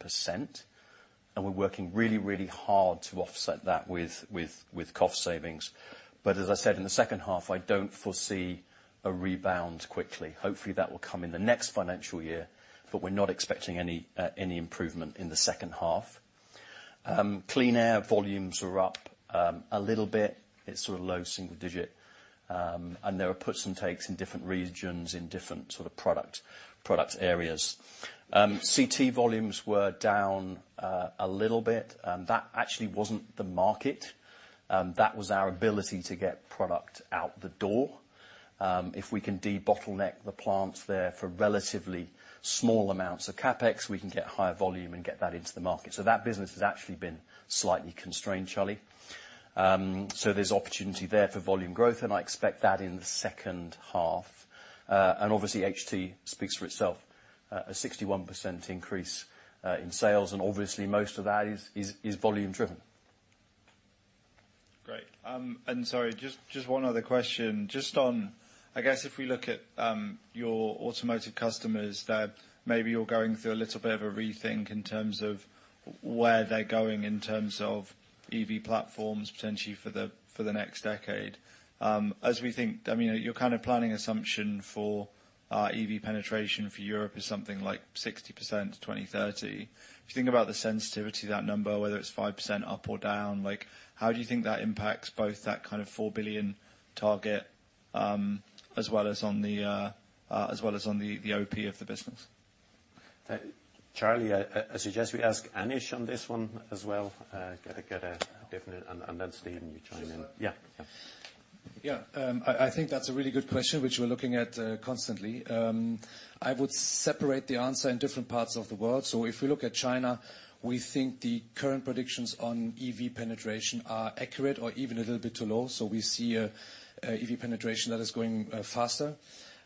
and we're working really, really hard to offset that with cost savings. But as I said, in the second half, I don't foresee a rebound quickly. Hopefully, that will come in the next financial year, but we're not expecting any improvement in the second half. Clean Air volumes are up a little bit. It's sort of low single digit, and there are puts and takes in different regions, in different sort of product areas. CT volumes were down a little bit, and that actually wasn't the market. That was our ability to get product out the door. If we can debottleneck the plants there for relatively small amounts of CapEx, we can get higher volume and get that into the market. So that business has actually been slightly constrained, Charlie. So there's opportunity there for volume growth, and I expect that in the second half. And obviously, HT speaks for itself, a 61% increase in sales, and obviously, most of that is volume driven. Great. And sorry, just, just one other question. Just on, I guess, if we look at, your automotive customers, that maybe they're going through a little bit of a rethink in terms of where they're going in terms of EV platforms, potentially for the, for the next decade. As we think, I mean, your kind of planning assumption for, EV penetration for Europe is something like 60%, 2030. If you think about the sensitivity of that number, whether it's 5% up or down, like, how do you think that impacts both that kind of 4 billion target, as well as on the, as well as on the, the OP of the business? Charlie, I suggest we ask Anish on this one as well. Get a different and then, Stephen, you chime in. Sure. Yeah. Yeah, I think that's a really good question, which we're looking at constantly. I would separate the answer in different parts of the world. So if we look at China, we think the current predictions on EV penetration are accurate or even a little bit too low, so we see a EV penetration that is going faster.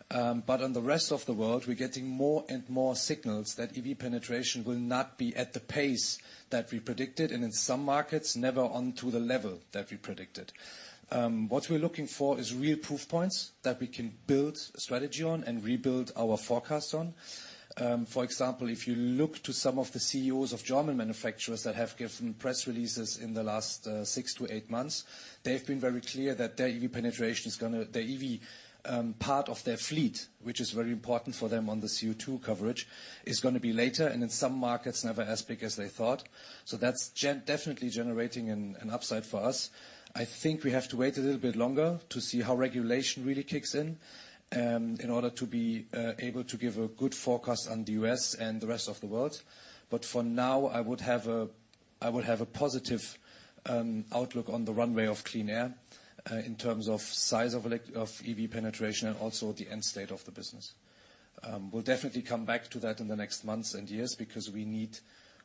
But on the rest of the world, we're getting more and more signals that EV penetration will not be at the pace that we predicted, and in some markets, never on to the level that we predicted. What we're looking for is real proof points that we can build a strategy on and rebuild our forecast on. For example, if you look to some of the CEOs of German manufacturers that have given press releases in the last 6-8 months, they've been very clear that their EV penetration is gonna—the EV part of their fleet, which is very important for them on the CO2 coverage, is gonna be later, and in some markets, never as big as they thought. So that's definitely generating an upside for us. I think we have to wait a little bit longer to see how regulation really kicks in, in order to be able to give a good forecast on the U.S. and the rest of the world. But for now, I would have a- I would have a positive outlook on the runway of Clean Air in terms of size of EV penetration and also the end state of the business. We'll definitely come back to that in the next months and years because we need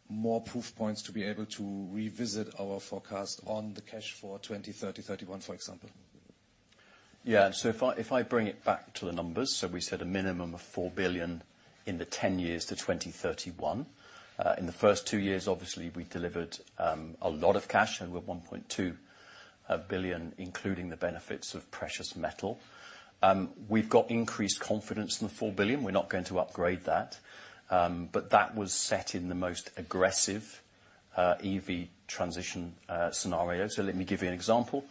more proof points to be able to revisit our forecast on the cash for 2030, 2031, for example. Yeah. So if I, if I bring it back to the numbers, so we said a minimum of 4 billion in the 10 years to 2031. In the first 2 years, obviously, we delivered a lot of cash, and we're 1.2 billion, including the benefits of precious metal. We've got increased confidence in the 4 billion. We're not going to upgrade that, but that was set in the most aggressive EV transition scenario. So let me give you an example.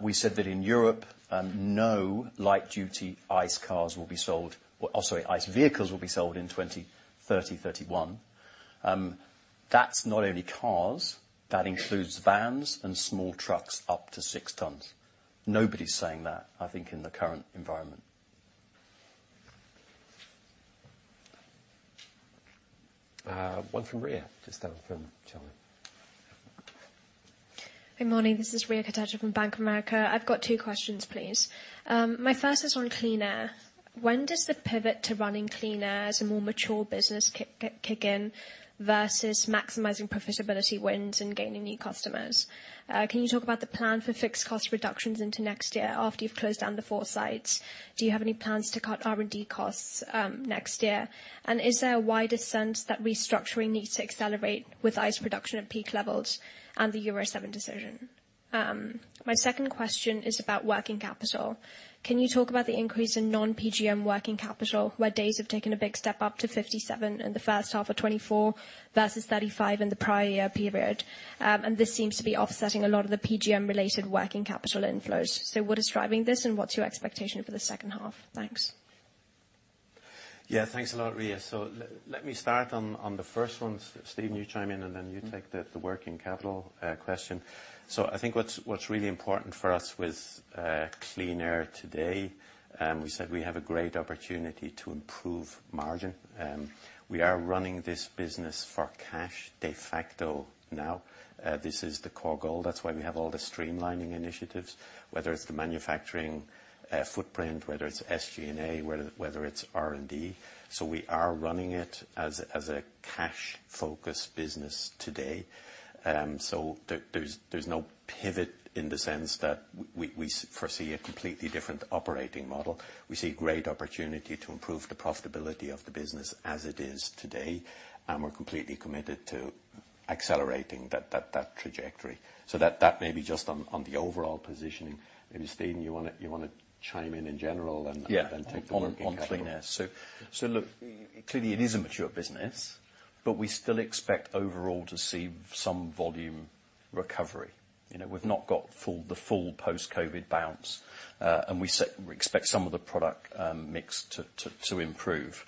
We said that in Europe, no light-duty ICE cars will be sold, or sorry, ICE vehicles will be sold in 2030, 2031. That's not only cars, that includes vans and small trucks up to 6 tons. Nobody's saying that, I think, in the current environment. One from Riya, just down from Charlie. Good morning. This is Riya Kotecha from Bank of America. I've got two questions, please. My first is on Clean Air. When does the pivot to running Clean Air as a more mature business kick in versus maximizing profitability wins and gaining new customers? Can you talk about the plan for fixed cost reductions into next year after you've closed down the four sites? Do you have any plans to cut R&D costs next year? And is there a wider sense that restructuring needs to accelerate with ICE production at peak levels and the Euro 7 decision? My second question is about working capital. Can you talk about the increase in non-PGM working capital, where days have taken a big step up to 57 in the first half of 2024 versus 35 in the prior year period? This seems to be offsetting a lot of the PGM-related working capital inflows. So what is driving this, and what's your expectation for the second half? Thanks. Yeah, thanks a lot, Riya. So let me start on the first one. Stephen, you chime in, and then you take the working capital question. So I think what's really important for us with Clean Air today, we said we have a great opportunity to improve margin. We are running this business for cash, de facto now. This is the core goal. That's why we have all the streamlining initiatives, whether it's the manufacturing footprint, whether it's SG&A, whether it's R&D. So we are running it as a cash-focused business today. So there's no pivot in the sense that we foresee a completely different operating model. We see great opportunity to improve the profitability of the business as it is today, and we're completely committed to accelerating that trajectory. So that may be just on the overall positioning. Maybe, Stephen, you wanna chime in in general and Yeah Then take the working capital. On Clean Air. So look, clearly, it is a mature business, but we still expect overall to see some volume recovery. You know, we've not got the full post-COVID bounce, and we expect some of the product mix to improve.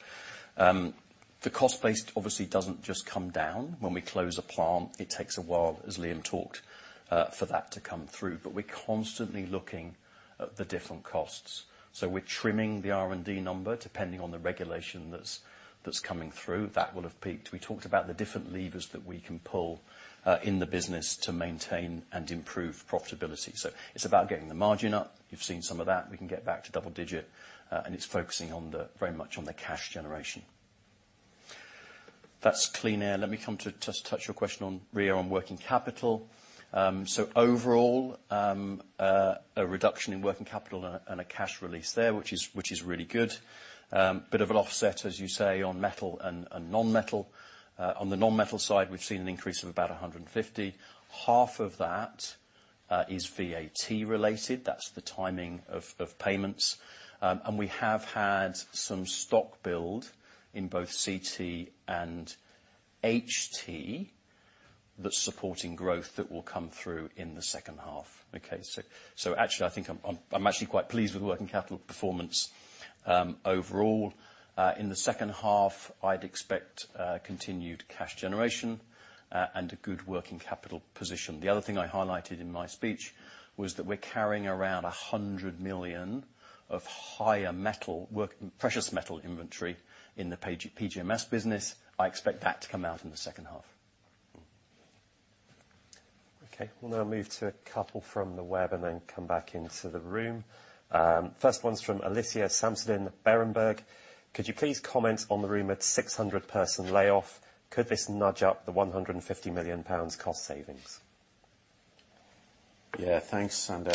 The cost base obviously doesn't just come down. When we close a plant, it takes a while, as Liam talked, for that to come through. But we're constantly looking at the different costs. So we're trimming the R&D number, depending on the regulation that's coming through. That will have peaked. We talked about the different levers that we can pull in the business to maintain and improve profitability. So it's about getting the margin up. You've seen some of that. We can get back to double digit, and it's focusing on the, very much on the cash generation. That's Clean Air. Let me come to touch your question on, Riya, on working capital. So overall, a reduction in working capital and a, and a cash release there, which is really good. Bit of an offset, as you say, on metal and, and non-metal. On the non-metal side, we've seen an increase of about 150. Half of that is VAT related. That's the timing of payments. And we have had some stock build in both CT and HT that's supporting growth that will come through in the second half. Okay, so actually, I think I'm actually quite pleased with the working capital performance, overall. In the second half, I'd expect continued cash generation and a good working capital position. The other thing I highlighted in my speech was that we're carrying around 100 million of higher precious metal inventory in the PGMs business. I expect that to come out in the second half. Okay. We'll now move to a couple from the web and then come back into the room. First one's from Elysia Samsudin, Berenberg. Could you please comment on the rumored 600-person layoff? Could this nudge up the 150 million pounds cost savings? Yeah, thanks, and,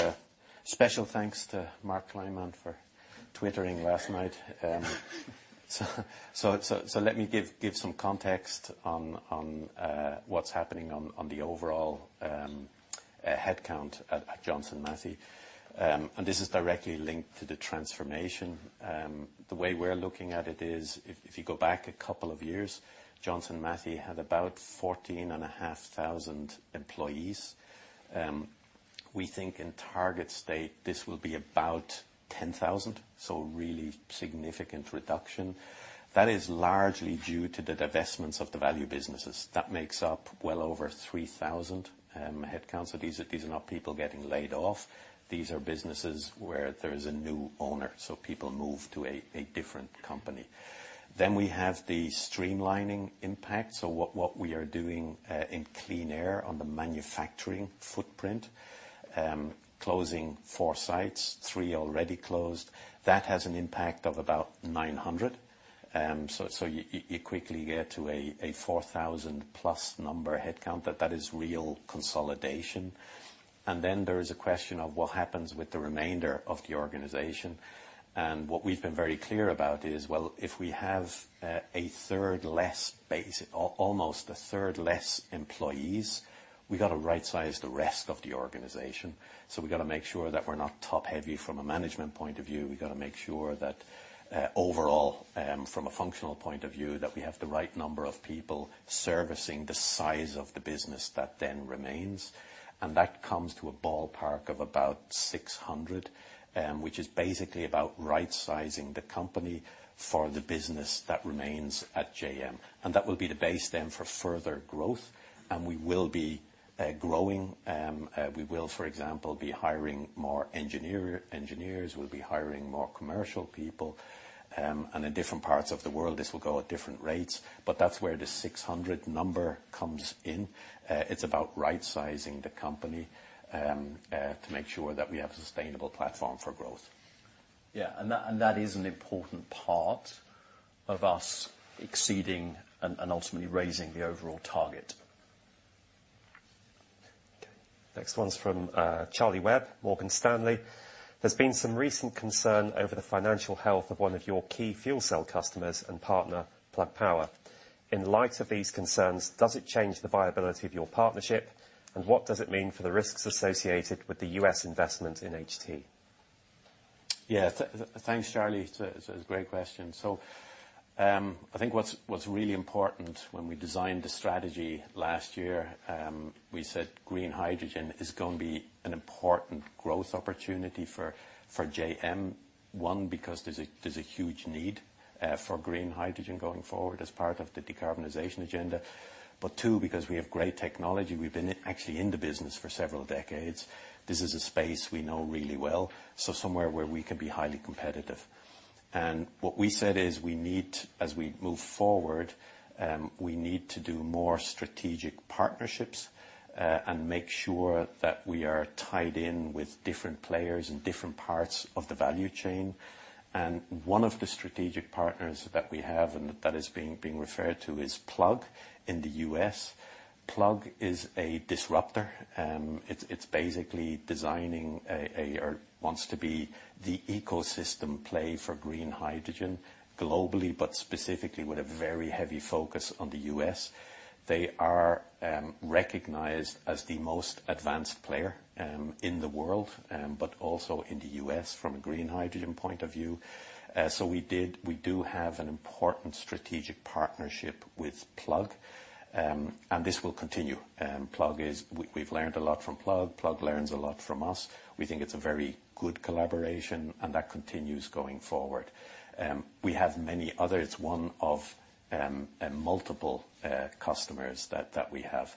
special thanks to Mark Kleinman for tweeting last night. So let me give some context on what's happening on the overall headcount at Johnson Matthey. And this is directly linked to the transformation. The way we're looking at it is, if you go back a couple of years, Johnson Matthey had about 14,500 employees. We think in target state, this will be about 10,000, so really significant reduction. That is largely due to the divestments of the Value Businesses. That makes up well over 3,000 headcounts. So these are not people getting laid off. These are businesses where there is a new owner, so people move to a different company. Then we have the streamlining impact. So what we are doing in Clean Air on the manufacturing footprint, closing four sites, three already closed. That has an impact of about 900. So you quickly get to a 4,000+ number headcount, that is real consolidation. And then there is a question of what happens with the remainder of the organization. And what we've been very clear about is, well, if we have a third less base, almost a third less employees, we've got to rightsize the rest of the organization. So we've got to make sure that we're not top-heavy from a management point of view. We've got to make sure that overall, from a functional point of view, that we have the right number of people servicing the size of the business that then remains. That comes to a ballpark of about 600, which is basically about rightsizing the company for the business that remains at JM. That will be the base then for further growth, and we will be growing. We will, for example, be hiring more engineers, we'll be hiring more commercial people. And in different parts of the world, this will go at different rates, but that's where the 600 number comes in. It's about rightsizing the company to make sure that we have a sustainable platform for growth. Yeah, and that, and that is an important part of us exceeding and, and ultimately raising the overall target. Okay, next one's from Charlie Webb, Morgan Stanley. There's been some recent concern over the financial health of one of your key fuel cell customers and partner, Plug Power. In light of these concerns, does it change the viability of your partnership, and what does it mean for the risks associated with the US investment in HT? Yeah, thanks, Charlie. It's a, it's a great question. So, I think what's, what's really important when we designed the strategy last year, we said green hydrogen is going to be an important growth opportunity for, for JM. One, because there's a, there's a huge need, for green hydrogen going forward as part of the decarbonization agenda. But two, because we have great technology. We've been actually in the business for several decades. This is a space we know really well, so somewhere where we can be highly competitive. And what we said is, we need, as we move forward, we need to do more strategic partnerships, and make sure that we are tied in with different players in different parts of the value chain. And one of the strategic partners that we have, and that is being referred to, is Plug in the U.S. Plug is a disruptor. It's basically designing a... or wants to be the ecosystem play for green hydrogen globally, but specifically with a very heavy focus on the U.S. They are recognized as the most advanced player in the world, but also in the U.S. from a green hydrogen point of view. So we did, we do have an important strategic partnership with Plug, and this will continue. Plug is- we, we've learned a lot from Plug. Plug learns a lot from us. We think it's a very good collaboration, and that continues going forward. We have many others, one of multiple customers that we have.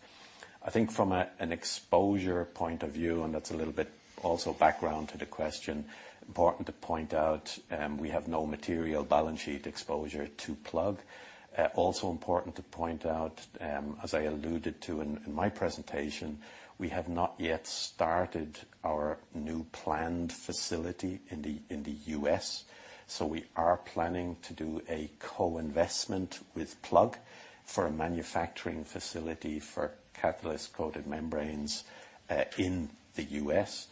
I think from an exposure point of view, and that's a little bit also background to the question, important to point out, we have no material balance sheet exposure to Plug. Also important to point out, as I alluded to in my presentation, we have not yet started our new planned facility in the US. So we are planning to do a co-investment with Plug for a manufacturing facility for Catalyst-Coated Membranes in the US,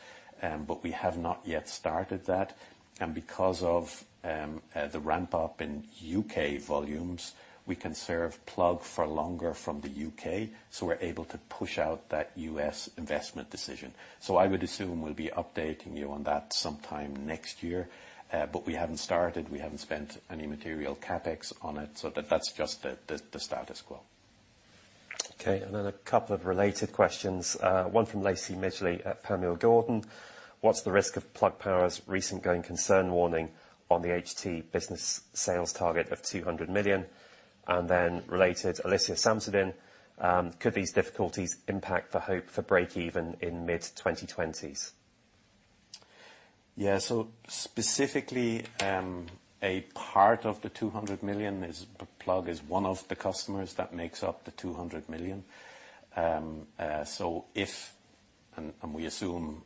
but we have not yet started that. And because of the ramp-up in UK volumes, we can serve Plug for longer from the UK, so we're able to push out that US investment decision. So I would assume we'll be updating you on that sometime next year, but we haven't started, we haven't spent any material CapEx on it, so that's just the status quo. Okay, and then a couple of related questions, one from Lacey Midgley at Panmure Gordon. What's the risk of Plug Power's recent going concern warning on the HT business sales target of $200 million? And then, related, Alicia Samsdin: Could these difficulties impact the hope for breakeven in mid-2020s? Yeah. So specifically, a part of the 200 million is, Plug is one of the customers that makes up the 200 million. So if and we assume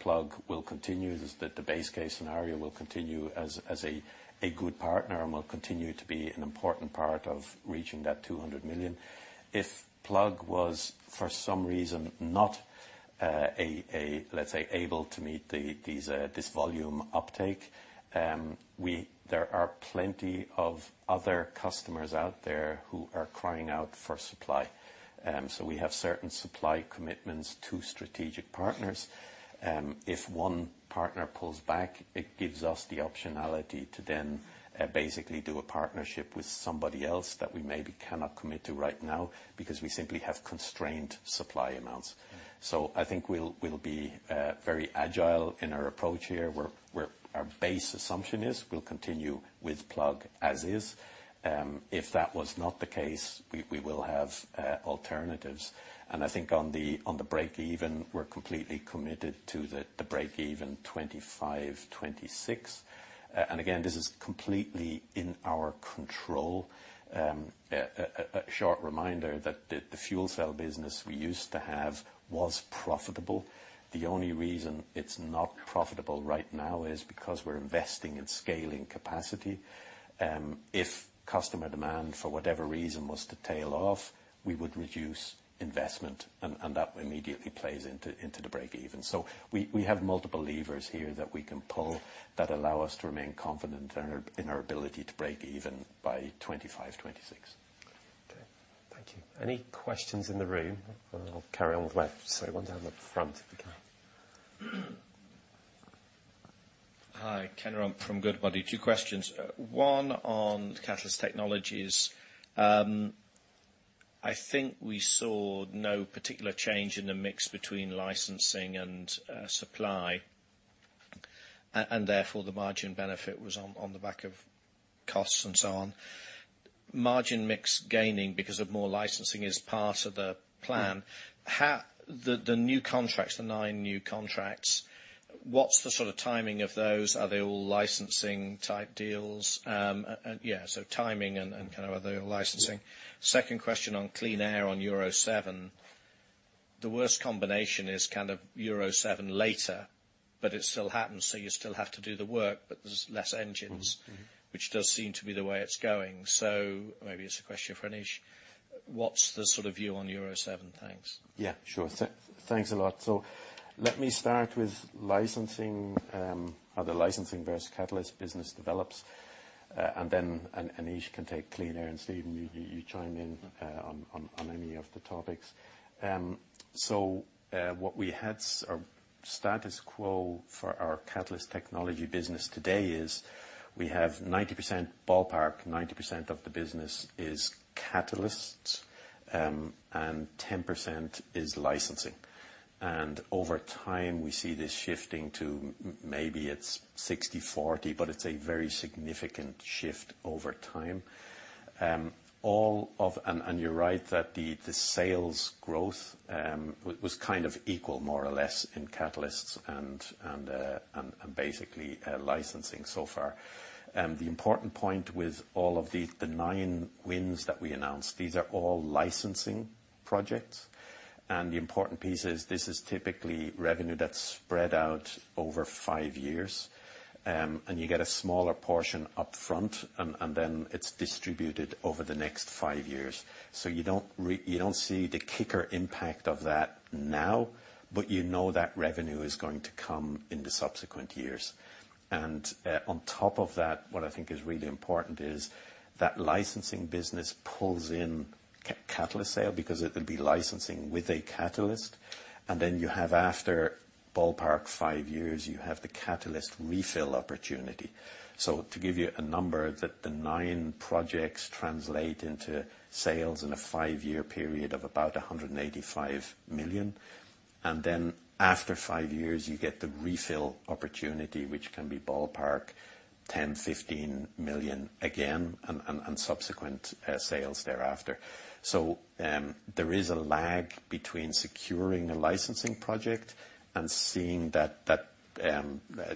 Plug will continue, the base case scenario will continue as a good partner and will continue to be an important part of reaching that 200 million. If Plug was, for some reason, not, let's say, able to meet this volume uptake, there are plenty of other customers out there who are crying out for supply. So we have certain supply commitments to strategic partners. If one partner pulls back, it gives us the optionality to then basically do a partnership with somebody else that we maybe cannot commit to right now because we simply have constrained supply amounts. So I think we'll be very agile in our approach here, where our base assumption is we'll continue with Plug as is. If that was not the case, we will have alternatives. And I think on the breakeven, we're completely committed to the breakeven 2025, 2026. And again, this is completely in our control. A short reminder that the fuel cell business we used to have was profitable. The only reason it's not profitable right now is because we're investing in scaling capacity. If customer demand, for whatever reason, was to tail off, we would reduce investment, and that immediately plays into the breakeven. So we have multiple levers here that we can pull that allow us to remain confident in our ability to breakeven by 2025, 2026. Any questions in the room? I'll carry on with the web. So one down the front. Hi, Kenneth Rumph from Goodbody. Two questions. One on catalyst technologies. I think we saw no particular change in the mix between licensing and supply, and therefore, the margin benefit was on the back of costs and so on. Margin mix gaining because of more licensing is part of the plan. How the new contracts, the nine new contracts, what's the sort of timing of those? Are they all licensing-type deals? Yeah, so timing and kind of are they licensing? Second question on clean air, on Euro 7. The worst combination is kind of Euro 7 later, but it still happens, so you still have to do the work, but there's less engines. Mm-hmm, mm-hmm. Which does seem to be the way it's going. So maybe it's a question for Anish. What's the sort of view on Euro 7? Thanks. Yeah, sure. Thanks a lot. So let me start with licensing, how the licensing versus Catalyst Technologies business develops, and then Anish can take Clean Air, and Stephen, you chime in on any of the topics. So, what we had or status quo for our Catalyst Technologies business today is we have 90% ballpark, 90% of the business is catalysts, and 10% is licensing. And over time, we see this shifting to maybe it's 60/40, but it's a very significant shift over time. All of... And you're right that the sales growth was kind of equal, more or less, in catalysts and basically licensing so far. The important point with all of the 9 wins that we announced, these are all licensing projects. And the important piece is this is typically revenue that's spread out over five years, and you get a smaller portion up front, and then it's distributed over the next five years. So you don't see the kicker impact of that now, but you know that revenue is going to come in the subsequent years. And on top of that, what I think is really important is that licensing business pulls in catalyst sale, because it would be licensing with a catalyst. And then you have, after ballpark five years, you have the catalyst refill opportunity. So to give you a number, that the 9 projects translate into sales in a five-year period of about 185 million. Then after 5 years, you get the refill opportunity, which can be ballpark 10 million-15 million again, and subsequent sales thereafter. So, there is a lag between securing a licensing project and seeing that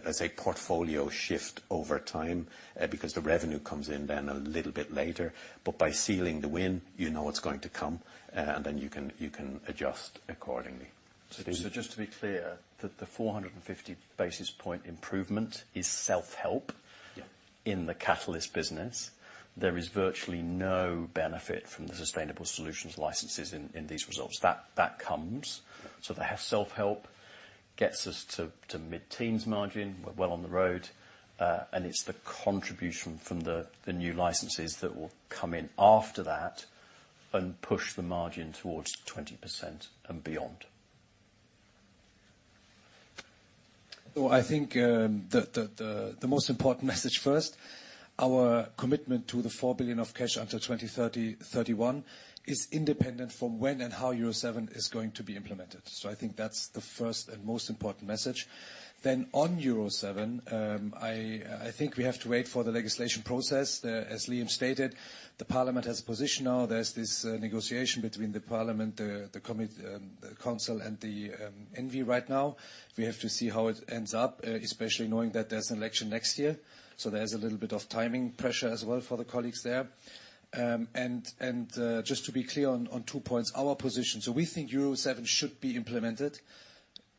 as a portfolio shift over time, because the revenue comes in then a little bit later. But by sealing the win, you know it's going to come, and then you can adjust accordingly. Just to be clear, that the 450 basis point improvement is self-help- Yeah In the catalyst business. There is virtually no benefit from the sustainable solutions licenses in these results. That comes. So the self-help gets us to mid-teens margin, we're well on the road, and it's the contribution from the new licenses that will come in after that and push the margin towards 20% and beyond. So I think the most important message first, our commitment to the 4 billion of cash until 2030/31 is independent from when and how Euro 7 is going to be implemented. So I think that's the first and most important message. Then on Euro 7, I think we have to wait for the legislation process. As Liam stated, the parliament has a position now. There's this negotiation between the parliament, the Commission, the council and the Commission right now. We have to see how it ends up, especially knowing that there's an election next year. So there's a little bit of timing pressure as well for the colleagues there. And just to be clear on two points, our position. So we think Euro 7 should be implemented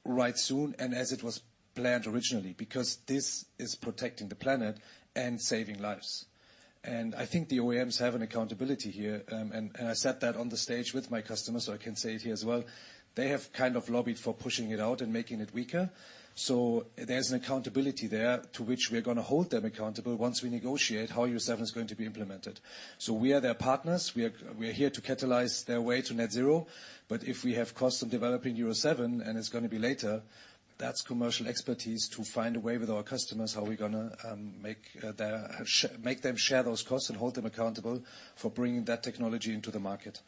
right soon and as it was planned originally, because this is protecting the planet and saving lives. And I think the OEMs have an accountability here, and I said that on the stage with my customers, so I can say it here as well. They have kind of lobbied for pushing it out and making it weaker. So there's an accountability there to which we are gonna hold them accountable once we negotiate how Euro 7 is going to be implemented. So we are their partners, we are, we are here to catalyze their way to net zero. But if we have costs of developing Euro 7, and it's gonna be later, that's commercial expertise to find a way with our customers, how we're gonna make them share those costs and hold them accountable for bringing that technology into the market.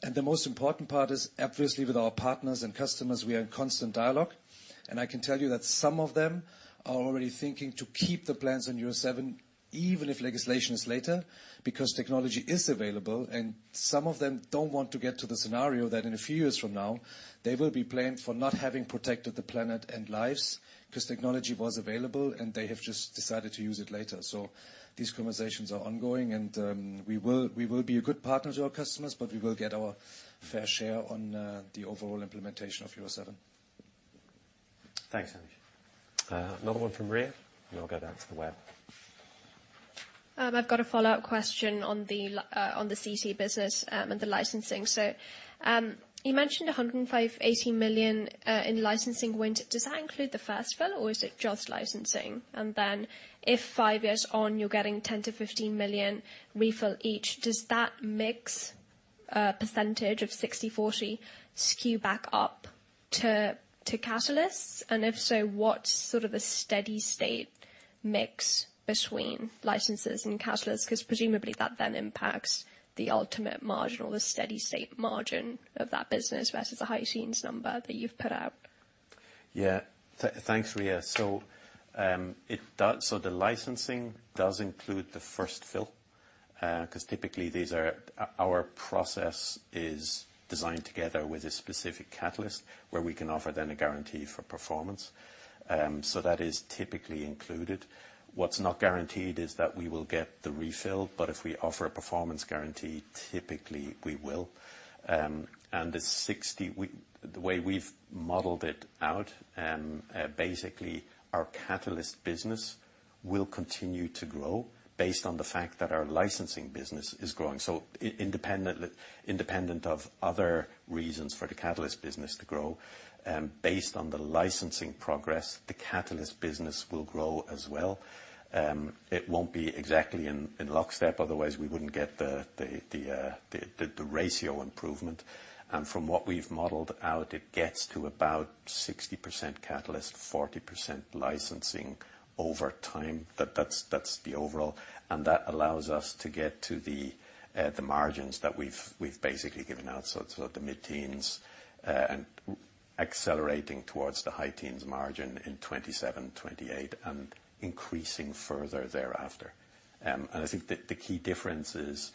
The most important part is, obviously, with our partners and customers, we are in constant dialogue, and I can tell you that some of them are already thinking to keep the plans on Euro 7, even if legislation is later, because technology is available, and some of them don't want to get to the scenario that in a few years from now, they will be blamed for not having protected the planet and lives, 'cause technology was available, and they have just decided to use it later. So these conversations are ongoing, and we will be a good partner to our customers, but we will get our fair share on the overall implementation of Euro 7. Thanks, Anish. Another one from Riya, and I'll go back to the web. I've got a follow-up question on the CT business and the licensing. You mentioned 105-80 million in licensing went. Does that include the first fill, or is it just licensing? And then if five years on you're getting 10-15 million refill each, does that mix, a percentage of 60/40, skew back up to catalysts? And if so, what's sort of a steady state mix between licenses and catalysts? Because presumably, that then impacts the ultimate margin or the steady state margin of that business versus the high teens number that you've put out. Yeah. Thanks, Riya. So, it does. So the licensing does include the first fill, 'cause typically these are our process is designed together with a specific catalyst, where we can offer then a guarantee for performance. So that is typically included. What's not guaranteed is that we will get the refill, but if we offer a performance guarantee, typically we will. And the 60. The way we've modeled it out, basically, our catalyst business will continue to grow based on the fact that our licensing business is growing. So independently, independent of other reasons for the catalyst business to grow, based on the licensing progress, the catalyst business will grow as well. It won't be exactly in lockstep, otherwise we wouldn't get the ratio improvement. And from what we've modeled out, it gets to about 60% catalyst, 40% licensing over time. That's the overall. And that allows us to get to the margins that we've basically given out, so the mid-teens%, and accelerating towards the high-teens% margin in 2027, 2028, and increasing further thereafter. I think the key difference is,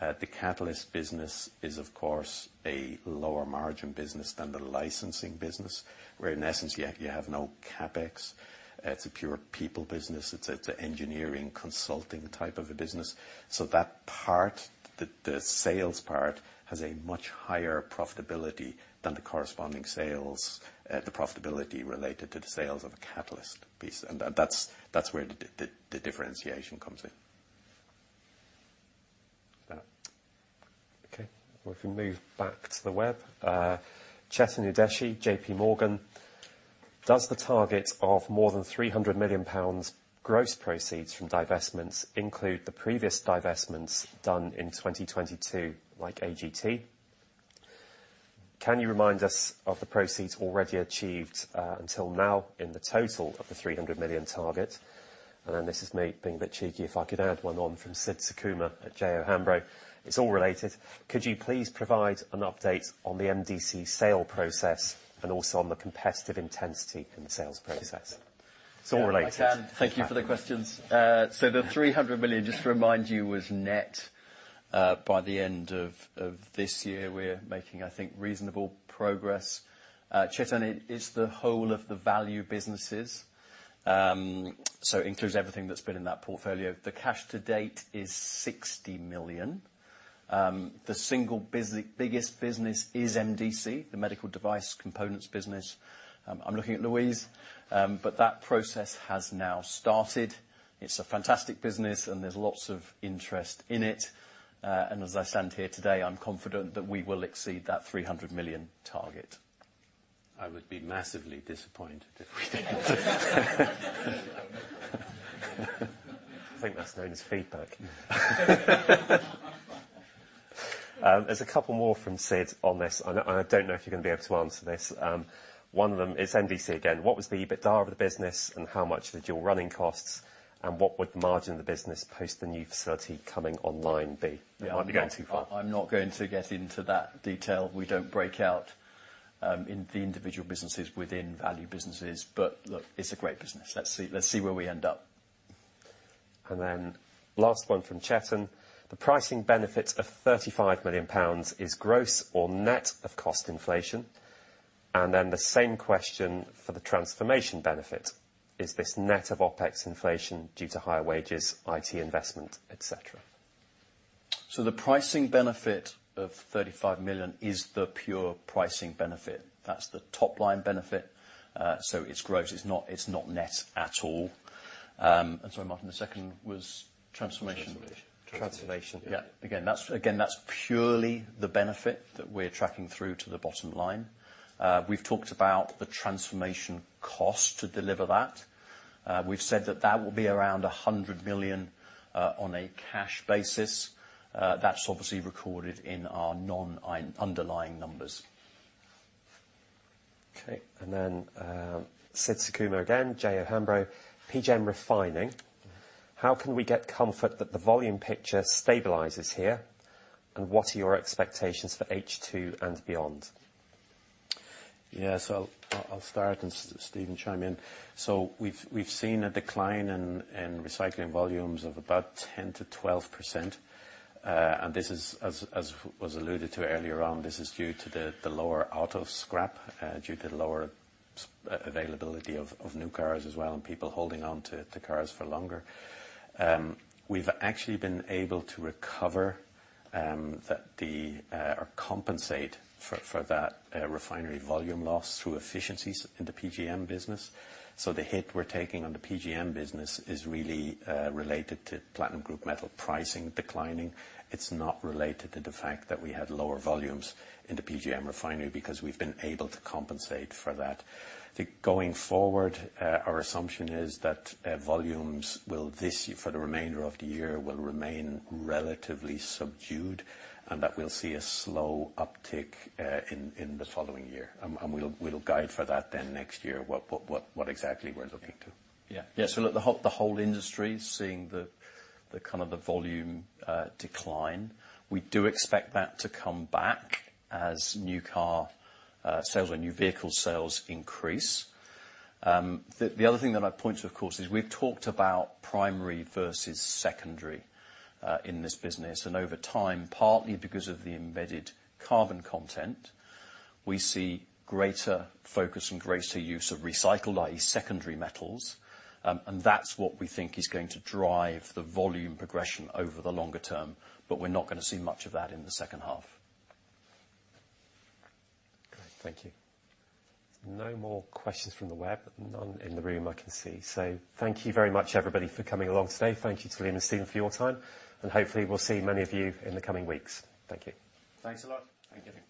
the catalyst business is, of course, a lower margin business than the licensing business, where in essence, you have no CapEx. It's a pure people business. It's an engineering, consulting type of a business. So that part, the sales part, has a much higher profitability than the corresponding sales, the profitability related to the sales of a catalyst piece. And that's where the differentiation comes in. Okay. Well, if we move back to the web. Chetan Udeshi, JP Morgan. Does the target of more than 300 million pounds gross proceeds from divestments include the previous divestments done in 2022, like AGT? Can you remind us of the proceeds already achieved until now in the total of the 300 million target? And then this is me being a bit cheeky. If I could add one on from Sid Sukumar at JO Hambro. It's all related. Could you please provide an update on the MDC sale process and also on the competitive intensity in the sales process? It's all related. I can. Thank you for the questions. So the 300 million, just to remind you, was net. By the end of this year, we're making, I think, reasonable progress. Chetan, it's the whole of the Value Businesses. So includes everything that's been in that portfolio. The cash to date is 60 million. The single biggest business is MDC, the medical device components business. I'm looking at Louise. But that process has now started. It's a fantastic business, and there's lots of interest in it. And as I stand here today, I'm confident that we will exceed that 300 million target. I would be massively disappointed if we didn't. I think that's known as feedback. There's a couple more from Sid on this, and I, and I don't know if you're gonna be able to answer this. One of them is MDC again. What was the EBITDA of the business, and how much are the dual running costs, and what would the margin of the business post the new facility coming online be? I might be going too far. I'm not going to get into that detail. We don't break out in the individual businesses within Value Businesses. But look, it's a great business. Let's see, let's see where we end up. And then last one from Chetan. The pricing benefit of GBP 35 million is gross or net of cost inflation? And then the same question for the transformation benefit. Is this net of OpEx inflation due to higher wages, IT investment, et cetera? So the pricing benefit of 35 million is the pure pricing benefit. That's the top-line benefit. So it's gross. It's not, it's not net at all. And sorry, Martin, the second was transformation? Transformation. Transformation. Yeah. Again, that's again, that's purely the benefit that we're tracking through to the bottom line. We've talked about the transformation cost to deliver that. We've said that that will be around 100 million, on a cash basis. That's obviously recorded in our non-underlying numbers. Okay, and then, Sid Sukumar again, JO Hambro. PGM Refining, how can we get comfort that the volume picture stabilizes here? And what are your expectations for H2 and beyond? Yeah, so I'll start, and Stephen chime in. So we've seen a decline in recycling volumes of about 10%-12%. And this is, as was alluded to earlier on, this is due to the lower auto scrap, due to the lower availability of new cars as well, and people holding on to cars for longer. We've actually been able to recover, or compensate for, that refinery volume loss through efficiencies in the PGM business. So the hit we're taking on the PGM business is really related to platinum group metal pricing declining. It's not related to the fact that we had lower volumes in the PGM refinery, because we've been able to compensate for that. I think going forward, our assumption is that volumes will this year, for the remainder of the year, remain relatively subdued, and that we'll see a slow uptick in the following year. We'll guide for that then next year, what exactly we're looking to. Yeah. Yeah, so look, the whole industry is seeing the, the kind of the volume decline. We do expect that to come back as new car sales or new vehicle sales increase. The other thing that I'd point to, of course, is we've talked about primary versus secondary in this business. And over time, partly because of the embedded carbon content, we see greater focus and greater use of recycled, i.e., secondary metals. And that's what we think is going to drive the volume progression over the longer term, but we're not gonna see much of that in the second half. Great. Thank you. No more questions from the web. None in the room I can see. So thank you very much, everybody, for coming along today. Thank you, to Liam and Stephen, for your time. Hopefully we'll see many of you in the coming weeks. Thank you. Thanks a lot. Thank you.